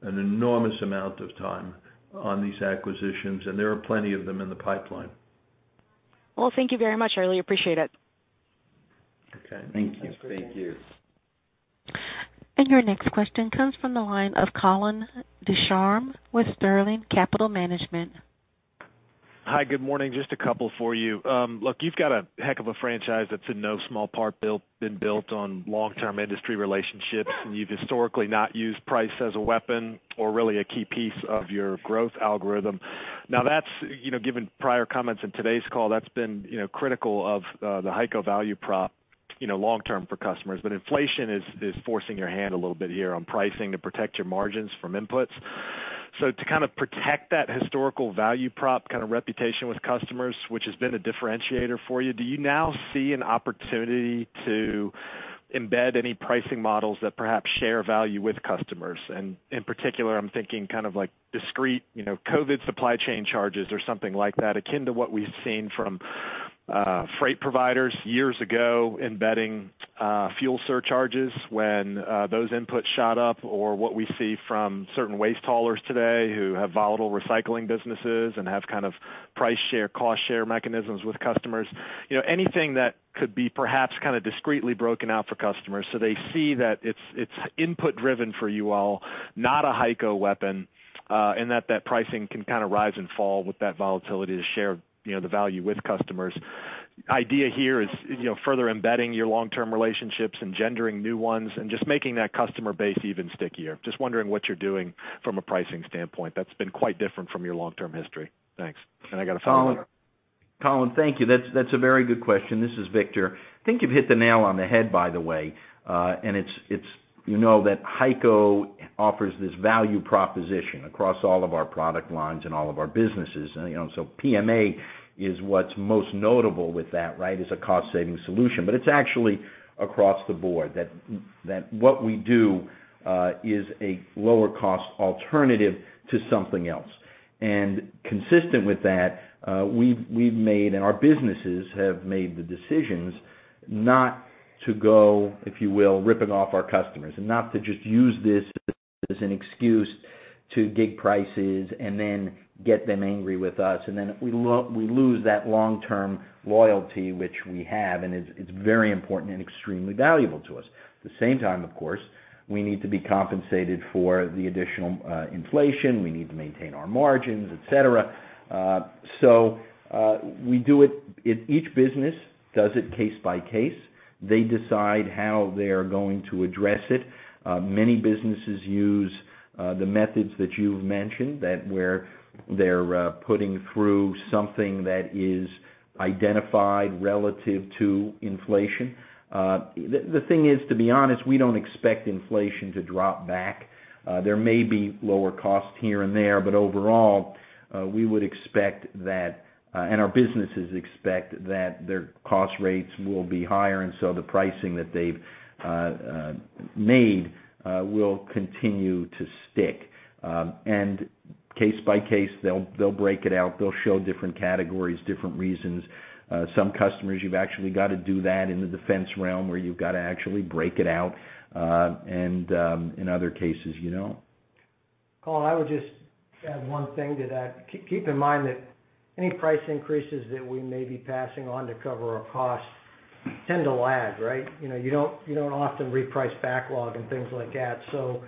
an enormous amount of time on these acquisitions, and there are plenty of them in the pipeline. Well, thank you very much, Larry. I appreciate it. Thank you. Your next question comes from the line of Colin Ducharme with Sterling Capital Management. Hi. Good morning. Just a couple for you. Look, you've got a heck of a franchise that's in no small part built on long-term industry relationships, and you've historically not used price as a weapon or really a key piece of your growth algorithm. Now that's, you know, given prior comments in today's call, that's been, you know, critical of the HEICO value prop, you know, long term for customers. But inflation is forcing your hand a little bit here on pricing to protect your margins from inputs. To kind of protect that historical value prop kind of reputation with customers, which has been a differentiator for you, do you now see an opportunity to embed any pricing models that perhaps share value with customers? In particular, I'm thinking kind of like discrete, you know, COVID supply chain charges or something like that, akin to what we've seen from freight providers years ago embedding fuel surcharges when those inputs shot up, or what we see from certain waste haulers today who have volatile recycling businesses and have kind of price share, cost share mechanisms with customers. You know, anything that could be perhaps kind of discreetly broken out for customers so they see that it's input driven for you all, not a HEICO weapon, and that pricing can kind of rise and fall with that volatility to share, you know, the value with customers. Idea here is, you know, further embedding your long-term relationships, engendering new ones, and just making that customer base even stickier. Just wondering what you're doing from a pricing standpoint. That's been quite different from your long-term history. Thanks. I got a follow later. Colin, thank you. That's a very good question. This is Victor. I think you've hit the nail on the head, by the way. It's, you know, that HEICO offers this value proposition across all of our product lines and all of our businesses. You know, PMA is what's most notable with that, right, as a cost-saving solution. But it's actually across the board that what we do is a lower cost alternative to something else. Consistent with that, we've made, and our businesses have made the decisions not to go, if you will, ripping off our customers and not to just use this as an excuse to hike prices and then get them angry with us. Then we lose that long-term loyalty, which we have, and it's very important and extremely valuable to us. At the same time, of course, we need to be compensated for the additional inflation. We need to maintain our margins, etc. Each business does it case by case. They decide how they're going to address it. Many businesses use the methods that you've mentioned, that where they're putting through something that is identified relative to inflation. The thing is, to be honest, we don't expect inflation to drop back. There may be lower costs here and there, but overall, we would expect that, and our businesses expect that their cost rates will be higher, and so the pricing that they've made will continue to stick. Case by case, they'll break it out. They'll show different categories, different reasons. Some customers, you've actually got to do that in the defense realm, where you've got to actually break it out, and in other cases, you know. Colin, I would just add one thing to that. Keep in mind that any price increases that we may be passing on to cover our costs tend to lag, right? You know, you don't often reprice backlog and things like that. So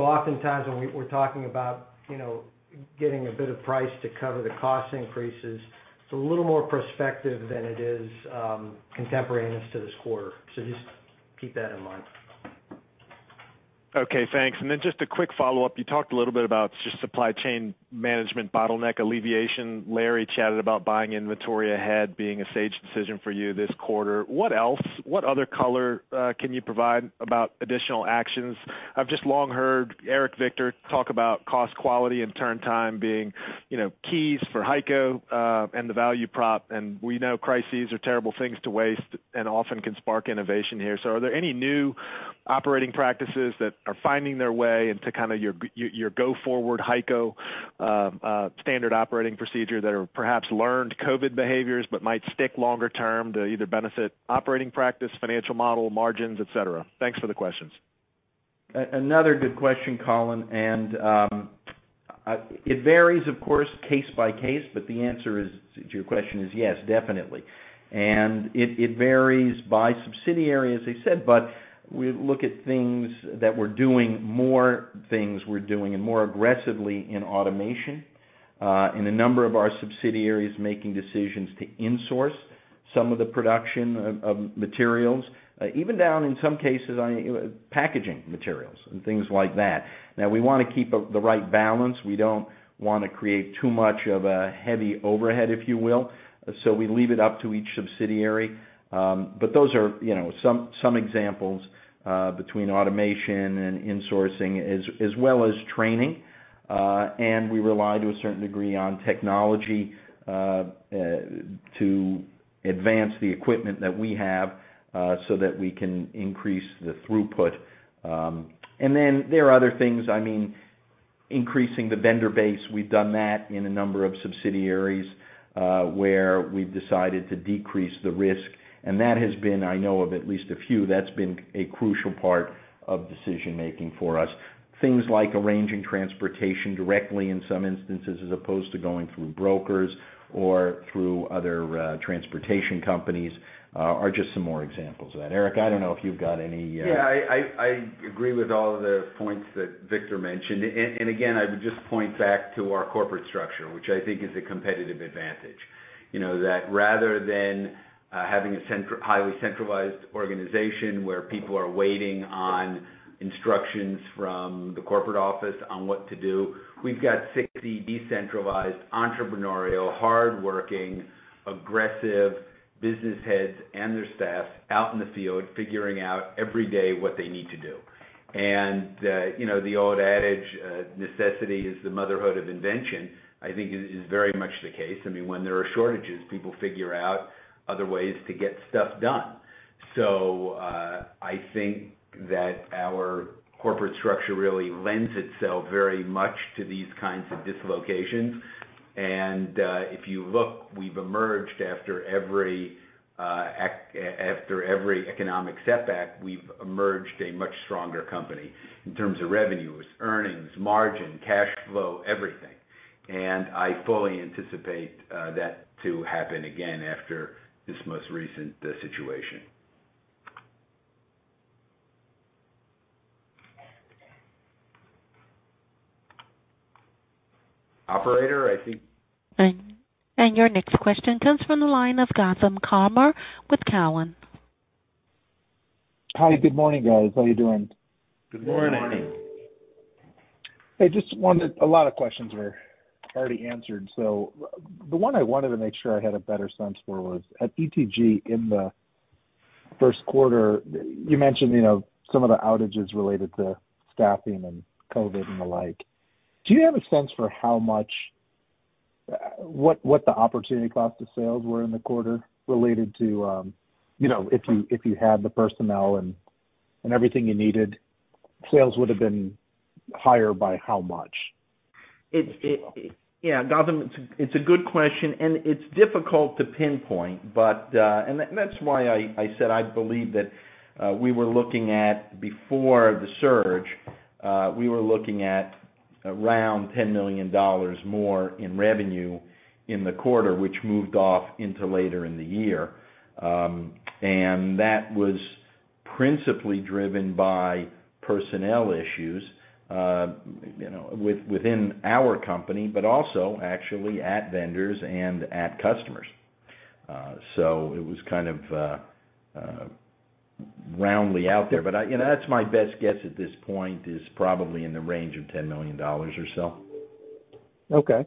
oftentimes when we're talking about, you know, getting a bit of price to cover the cost increases, it's a little more prospective than it is, contemporaneous to this quarter. So just keep that in mind. Okay, thanks. Just a quick follow-up. You talked a little bit about just supply chain management bottleneck alleviation. Larry chatted about buying inventory ahead being a sage decision for you this quarter. What else, what other color can you provide about additional actions? I've just long heard Eric, Victor talk about cost, quality, and turn time being, you know, keys for HEICO and the value prop. We know crises are terrible things to waste and often can spark innovation here. Are there any new operating practices that are finding their way into kind of your go-forward HEICO standard operating procedure that are perhaps learned COVID behaviors but might stick longer term to either benefit operating practice, financial model, margins, etc? Thanks for the questions. Another good question, Colin. It varies, of course, case by case, but the answer to your question is yes, definitely. It varies by subsidiary, as I said, but we look at things that we're doing more aggressively in automation in a number of our subsidiaries making decisions to insource some of the production of materials, even down in some cases on packaging materials and things like that. Now we want to keep up the right balance. We don't want to create too much of a heavy overhead, if you will. We leave it up to each subsidiary. But those are, you know, some examples between automation and insourcing as well as training. We rely to a certain degree on technology to advance the equipment that we have so that we can increase the throughput. Then there are other things. I mean, increasing the vendor base, we've done that in a number of subsidiaries where we've decided to decrease the risk. That has been, I know of at least a few, that's been a crucial part of decision-making for us. Things like arranging transportation directly in some instances, as opposed to going through brokers or through other transportation companies, are just some more examples of that. Eric, I don't know if you've got any. Yeah, I agree with all of the points that Victor mentioned. Again, I would just point back to our corporate structure, which I think is a competitive advantage. You know, that rather than having a highly centralized organization where people are waiting on instructions from the corporate office on what to do, we've got 60 decentralized, entrepreneurial, hardworking, aggressive business heads and their staff out in the field figuring out every day what they need to do. You know, the old adage, necessity is the mother of invention, I think is very much the case. I mean, when there are shortages, people figure out other ways to get stuff done. I think that our corporate structure really lends itself very much to these kinds of dislocations. If you look, we've emerged after every economic setback, we've emerged a much stronger company in terms of revenues, earnings, margin, cash flow, everything. I fully anticipate that to happen again after this most recent situation. Operator, I think. Your next question comes from the line of Gautam Khanna with Cowen. Hi. Good morning, guys. How are you doing? Good morning. A lot of questions were already answered. The one I wanted to make sure I had a better sense for was at ETG in the first quarter. You mentioned, you know, some of the outages related to staffing and COVID and the like. Do you have a sense for how much, what the opportunity cost of sales were in the quarter related to, you know, if you had the personnel and everything you needed, sales would have been higher by how much? Yeah, Gautam, it's a good question, and it's difficult to pinpoint. That's why I said I believe that we were looking at, before the surge, around $10 million more in revenue in the quarter, which moved off into later in the year. That was principally driven by personnel issues, you know, within our company, but also actually at vendors and at customers. It was kind of roundly out there. You know, that's my best guess at this point, is probably in the range of $10 million or so. Okay.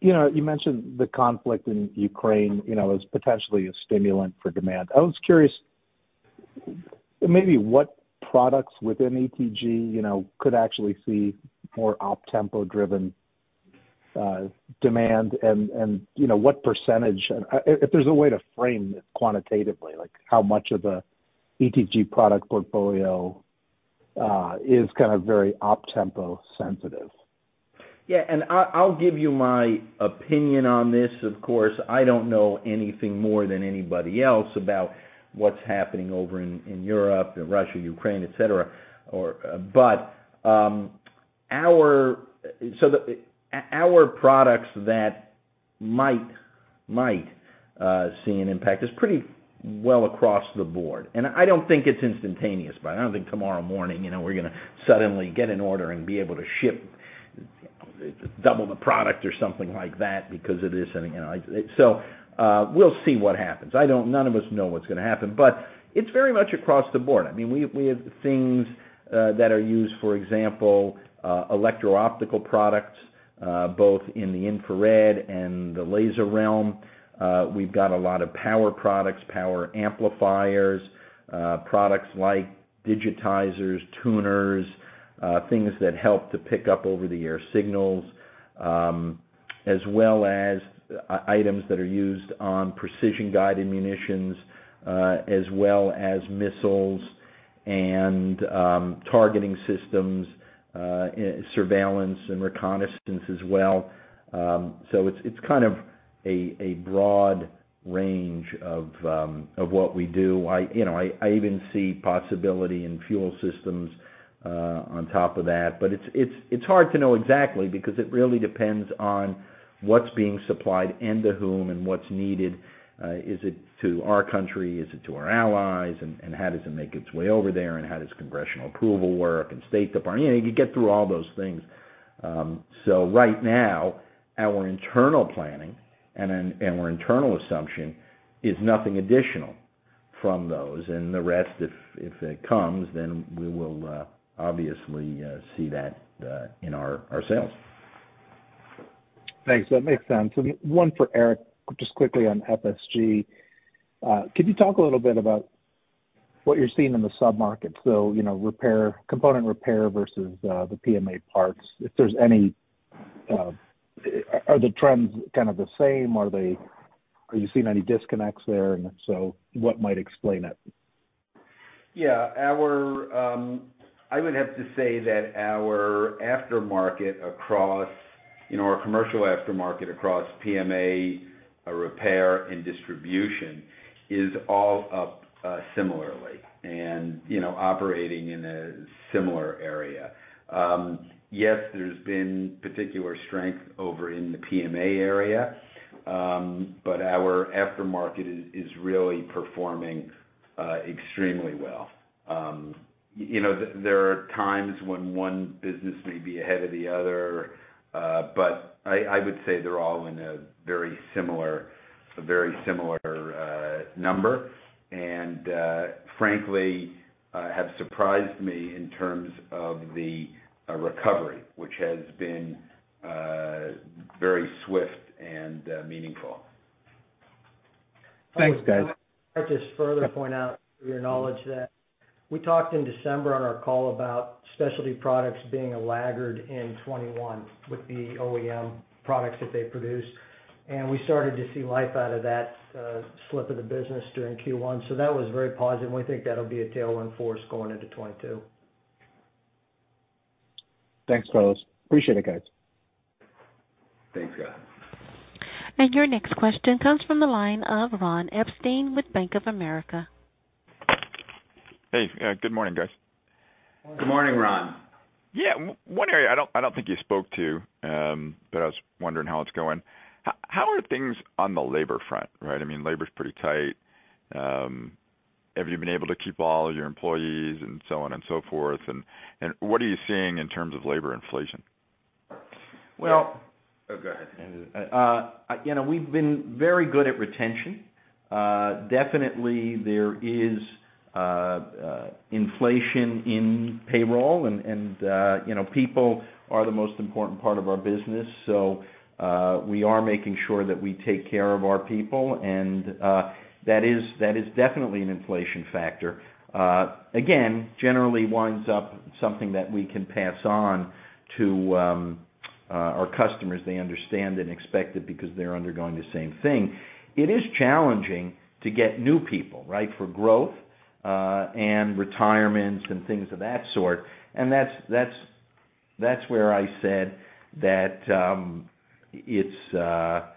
You know, you mentioned the conflict in Ukraine, you know, as potentially a stimulus for demand. I was curious maybe what products within ETG, you know, could actually see more optempo-driven demand and you know what percentage? If there's a way to frame this quantitatively, like how much of the ETG product portfolio is kind of very optempo sensitive. Yeah. I'll give you my opinion on this. Of course, I don't know anything more than anybody else about what's happening over in Europe, Russia, Ukraine, etc. Our products that might see an impact is pretty well across the board. I don't think it's instantaneous, but I don't think tomorrow morning, you know, we're gonna suddenly get an order and be able to ship double the product or something like that because of this. You know, we'll see what happens. None of us know what's gonna happen, but it's very much across the board. I mean, we have things that are used, for example, electro-optical products, both in the infrared and the laser realm. We've got a lot of power products, power amplifiers, products like digitizers, tuners, things that help to pick up over the air signals, as well as items that are used on precision-guided munitions, as well as missiles and targeting systems, surveillance and reconnaissance as well. It's kind of a broad range of what we do. You know, I even see possibility in fuel systems on top of that. It's hard to know exactly because it really depends on what's being supplied and to whom and what's needed. Is it to our country? Is it to our allies? How does it make its way over there? How does congressional approval work and State Department? You know, you get through all those things. Right now our internal planning and our internal assumption is nothing additional from those. The rest, if it comes, then we will obviously see that in our sales. Thanks. That makes sense. One for Eric, just quickly on FSG. Could you talk a little bit about what you're seeing in the sub-market? You know, repair, component repair versus the PMA parts, if there's any, are the trends kind of the same? Are you seeing any disconnects there? What might explain it? Yeah. Our, I would have to say that our aftermarket across, you know, our commercial aftermarket across PMA, repair and distribution is all up, similarly and, you know, operating in a similar area. Yes, there's been particular strength over in the PMA area. But our aftermarket is really performing extremely well. You know, there are times when one business may be ahead of the other. But I would say they're all in a very similar number. Frankly, have surprised me in terms of the recovery, which has been very swift and meaningful. Thanks, guys. I'll just further point out to your knowledge that we talked in December on our call about specialty products being a laggard in 2021 with the OEM products that they produce. We started to see life out of that slip of the business during Q1. That was very positive, and we think that'll be a tailwind for us going into 2022. Thanks, Carlos. Appreciate it, guys. Thanks, Gautam. Your next question comes from the line of Ron Epstein with Bank of America. Hey, good morning, guys. Good morning, Ron. Yeah. One area I don't think you spoke to, but I was wondering how it's going. How are things on the labor front, right? I mean, labor's pretty tight. Have you been able to keep all of your employees and so on and so forth? What are you seeing in terms of labor inflation? Well- Oh, go ahead. You know, we've been very good at retention. Definitely there is inflation in payroll and you know, people are the most important part of our business. We are making sure that we take care of our people. That is definitely an inflation factor. Again, generally winds up something that we can pass on to our customers. They understand and expect it because they're undergoing the same thing. It is challenging to get new people, right? For growth, and retirements and things of that sort. That's where I said that it's the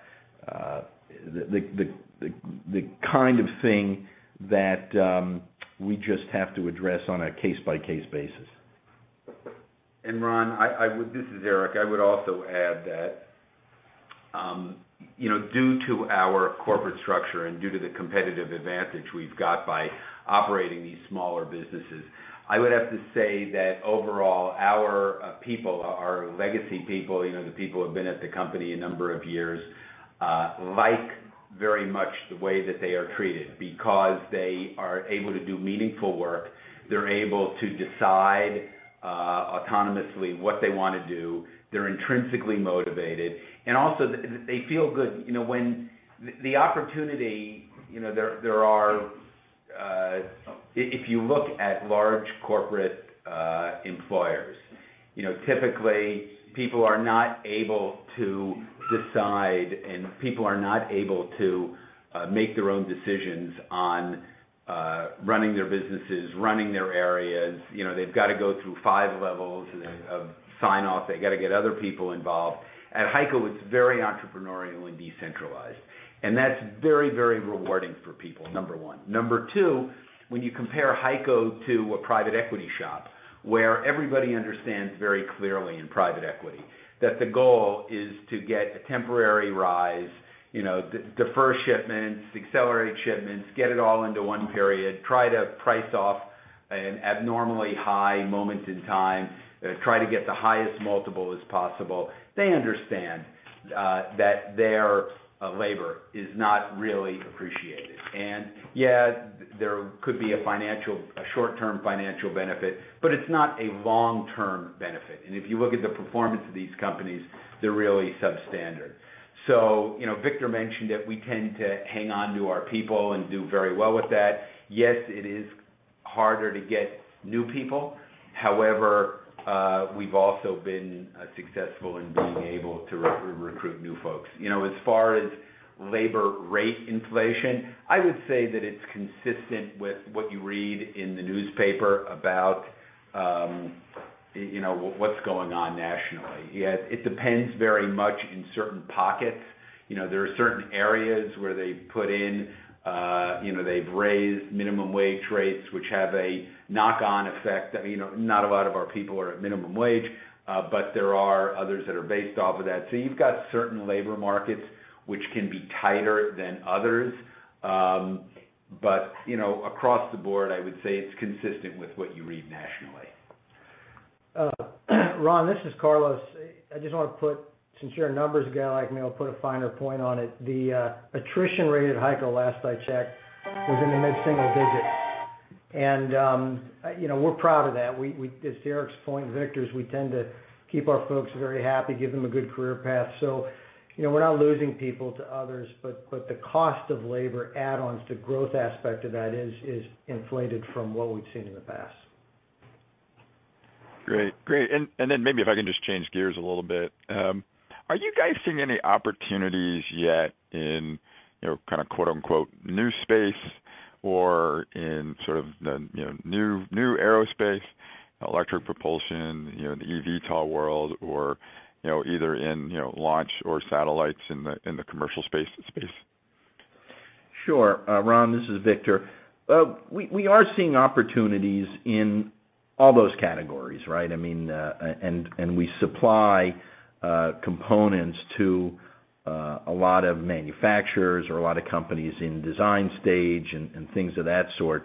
kind of thing that we just have to address on a case-by-case basis. Ron, I would. This is Eric. I would also add that, you know, due to our corporate structure and due to the competitive advantage we've got by operating these smaller businesses, I would have to say that overall, our people, our legacy people, you know, the people who have been at the company a number of years, like very much the way that they are treated because they are able to do meaningful work. They're able to decide autonomously what they wanna do. They're intrinsically motivated, and also they feel good. You know, the opportunity, you know, there are. If you look at large corporate employers, you know, typically people are not able to decide, and people are not able to make their own decisions on running their businesses, running their areas. You know, they've got to go through five levels of sign off. They gotta get other people involved. At HEICO, it's very entrepreneurial and decentralized, and that's very, very rewarding for people, number one. Number two, when you compare HEICO to a private equity shop where everybody understands very clearly in private equity, that the goal is to get a temporary rise, you know, defer shipments, accelerate shipments, get it all into one period, try to price off an abnormally high moment in time, try to get the highest multiple as possible. They understand that their labor is not really appreciated. Yeah, there could be a short-term financial benefit, but it's not a long-term benefit. If you look at the performance of these companies, they're really substandard. You know, Victor mentioned that we tend to hang on to our people and do very well with that. Yes, it is harder to get new people. However, we've also been successful in being able to recruit new folks. You know, as far as labor rate inflation, I would say that it's consistent with what you read in the newspaper about you know, what's going on nationally. Yet, it depends very much in certain pockets. You know, there are certain areas where they put in you know, they've raised minimum wage rates, which have a knock on effect. I mean, not a lot of our people are at minimum wage, but there are others that are based off of that. So you've got certain labor markets which can be tighter than others. You know, across the board, I would say it's consistent with what you read nationally. Ron, this is Carlos. Since you're a numbers guy, like, maybe I'll put a finer point on it. The attrition rate at HEICO, last I checked, was in the mid-single digits. You know, we're proud of that. We— As Eric's point, Victor's, we tend to keep our folks very happy, give them a good career path. You know, we're not losing people to others, but the cost of labor add-ons to growth aspect of that is inflated from what we've seen in the past. Great. Great. Then maybe if I can just change gears a little bit. Are you guys seeing any opportunities yet in, you know, kinda quote-unquote, "new space" or in sort of the, you know, new aerospace, electric propulsion, you know, the eVTOL world or, you know, either in, you know, launch or satellites in the commercial space? Sure. Ron, this is Victor. We are seeing opportunities in all those categories, right? I mean, and we supply components to a lot of manufacturers or a lot of companies in design stage and things of that sort,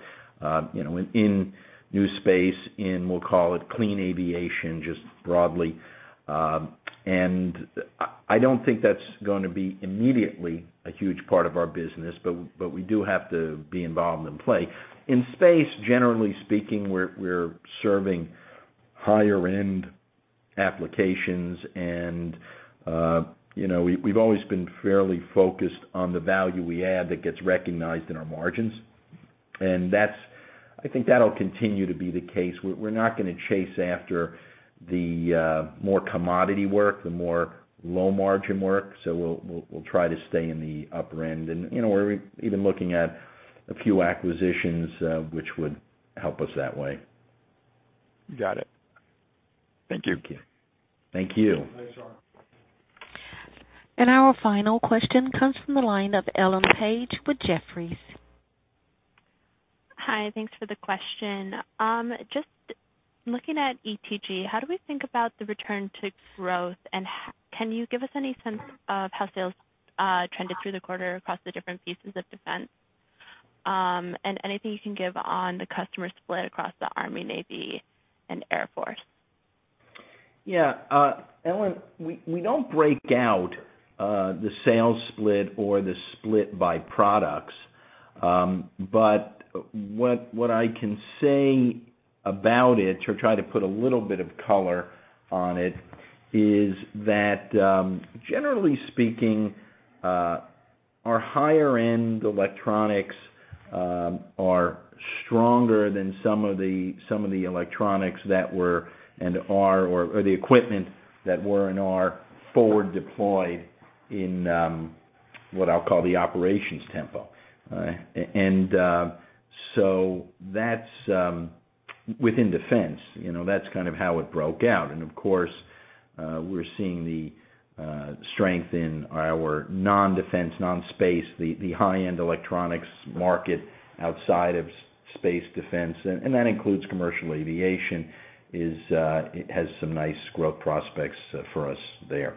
you know, in new space, in we'll call it clean aviation, just broadly. I don't think that's gonna be immediately a huge part of our business, but we do have to be involved and play. In space, generally speaking, we're serving higher end applications and you know, we've always been fairly focused on the value we add that gets recognized in our margins. That's. I think that'll continue to be the case. We're not gonna chase after the more commodity work, the more low margin work. We'll try to stay in the upper end. You know, we're even looking at a few acquisitions, which would help us that way. Got it. Thank you. Thank you. Our final question comes from the line of Sheila Kahyaoglu with Jefferies. Hi, thanks for the question. Looking at ETG, how do we think about the return to growth, and can you give us any sense of how sales trended through the quarter across the different pieces of defense? Anything you can give on the customer split across the Army, Navy, and Air Force? Yeah. Sheila, we don't break out the sales split or the split by products. What I can say about it, to try to put a little bit of color on it, is that generally speaking, our higher end electronics are stronger than some of the electronics that were and are or the equipment that were and are forward deployed in what I'll call the operations tempo. That's within defense, you know, that's kind of how it broke out. Of course, we're seeing the strength in our non-defense, non-space, the high-end electronics market outside of space defense, and that includes commercial aviation is it has some nice growth prospects for us there.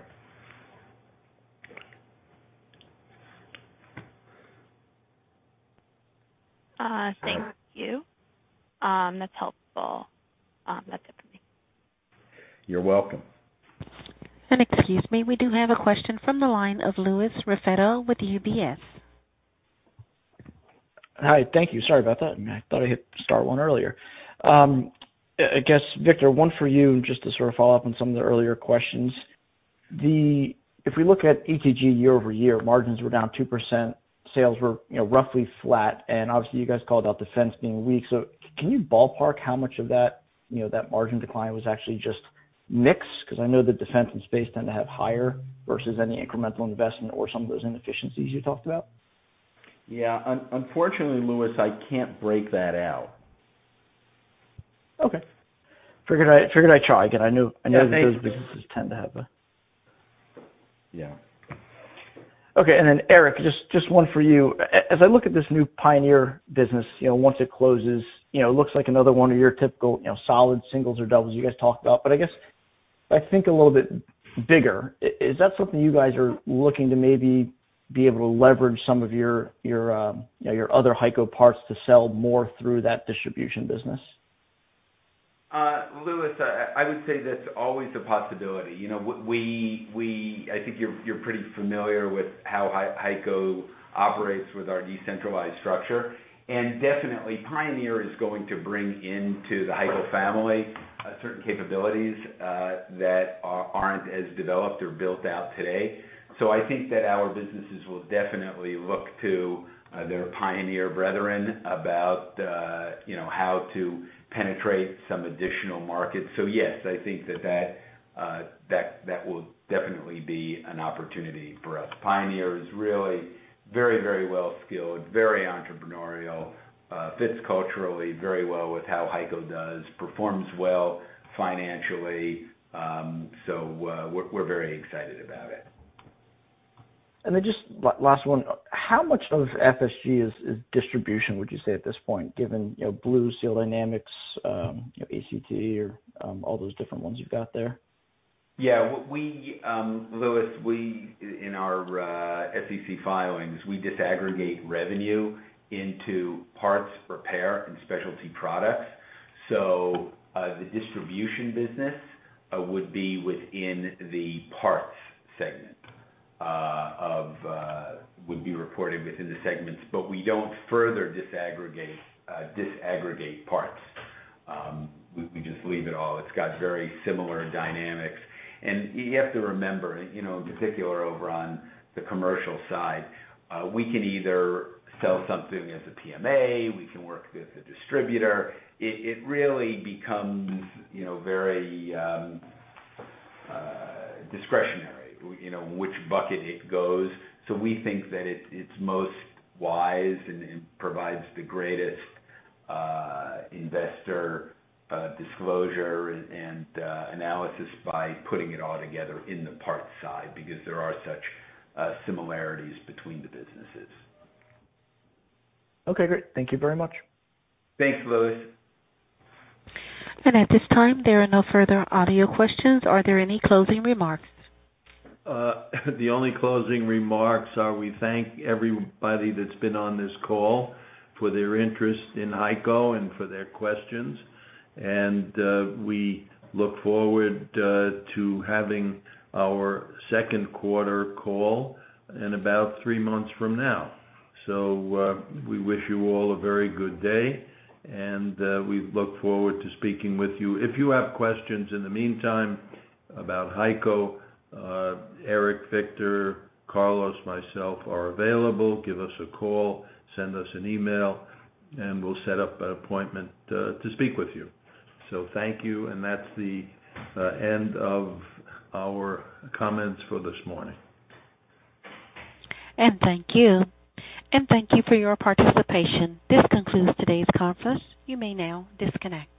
Thank you. That's helpful. That's it for me. You're welcome. Excuse me, we do have a question from the line of Louis Raffetto with UBS. Hi. Thank you. Sorry about that. I thought I hit star one earlier. I guess, Victor, one for you, just to sort of follow up on some of the earlier questions. If we look at ETG year-over-year, margins were down 2%, sales were, you know, roughly flat, and obviously you guys called out defense being weak. Can you ballpark how much of that, you know, that margin decline was actually just mix? 'Cause I know the defense and space tend to have higher versus any incremental investment or some of those inefficiencies you talked about. Yeah. Unfortunately, Louis, I can't break that out. Okay. Figured I'd try again. Yeah, thank you. I knew those businesses tend to have a... Yeah. Okay. Eric, just one for you. As I look at this new Pioneer business, you know, once it closes, you know, looks like another one of your typical, you know, solid singles or doubles you guys talked about. But I guess if I think a little bit bigger, is that something you guys are looking to maybe be able to leverage some of your you know your other HEICO parts to sell more through that distribution business? Louis, I would say that's always a possibility. You know, we think you're pretty familiar with how HEICO operates with our decentralized structure. Definitely, Pioneer is going to bring into the HEICO family certain capabilities that aren't as developed or built out today. I think that our businesses will definitely look to their Pioneer brethren about, you know, how to penetrate some additional markets. Yes, I think that will definitely be an opportunity for us. Pioneer is really very, very well skilled, very entrepreneurial, fits culturally very well with how HEICO does, performs well financially. We're very excited about it. Just last one. How much of FSG is distribution, would you say at this point, given, you know, Blue, Seal Dynamics, you know, ACT or all those different ones you've got there? Yeah. We, Louis, in our SEC filings, we disaggregate revenue into parts, repair, and specialty products. The distribution business would be within the parts segment, would be reported within the segments, but we don't further disaggregate parts. We just leave it all. It's got very similar dynamics. You have to remember, you know, in particular over on the commercial side, we can either sell something as a PMA, we can work with a distributor. It really becomes, you know, very discretionary, you know, which bucket it goes. We think that it's most wise and provides the greatest investor disclosure and analysis by putting it all together in the parts side because there are such similarities between the businesses. Okay, great. Thank you very much. Thanks, Louis. At this time, there are no further audio questions. Are there any closing remarks? The only closing remarks are we thank everybody that's been on this call for their interest in HEICO and for their questions. We look forward to having our second quarter call in about three months from now. We wish you all a very good day, and we look forward to speaking with you. If you have questions in the meantime about HEICO, Eric, Victor, Carlos, myself are available. Give us a call, send us an email, and we'll set up an appointment to speak with you. Thank you, and that's the end of our comments for this morning. Thank you. Thank you for your participation. This concludes today's conference. You may now disconnect.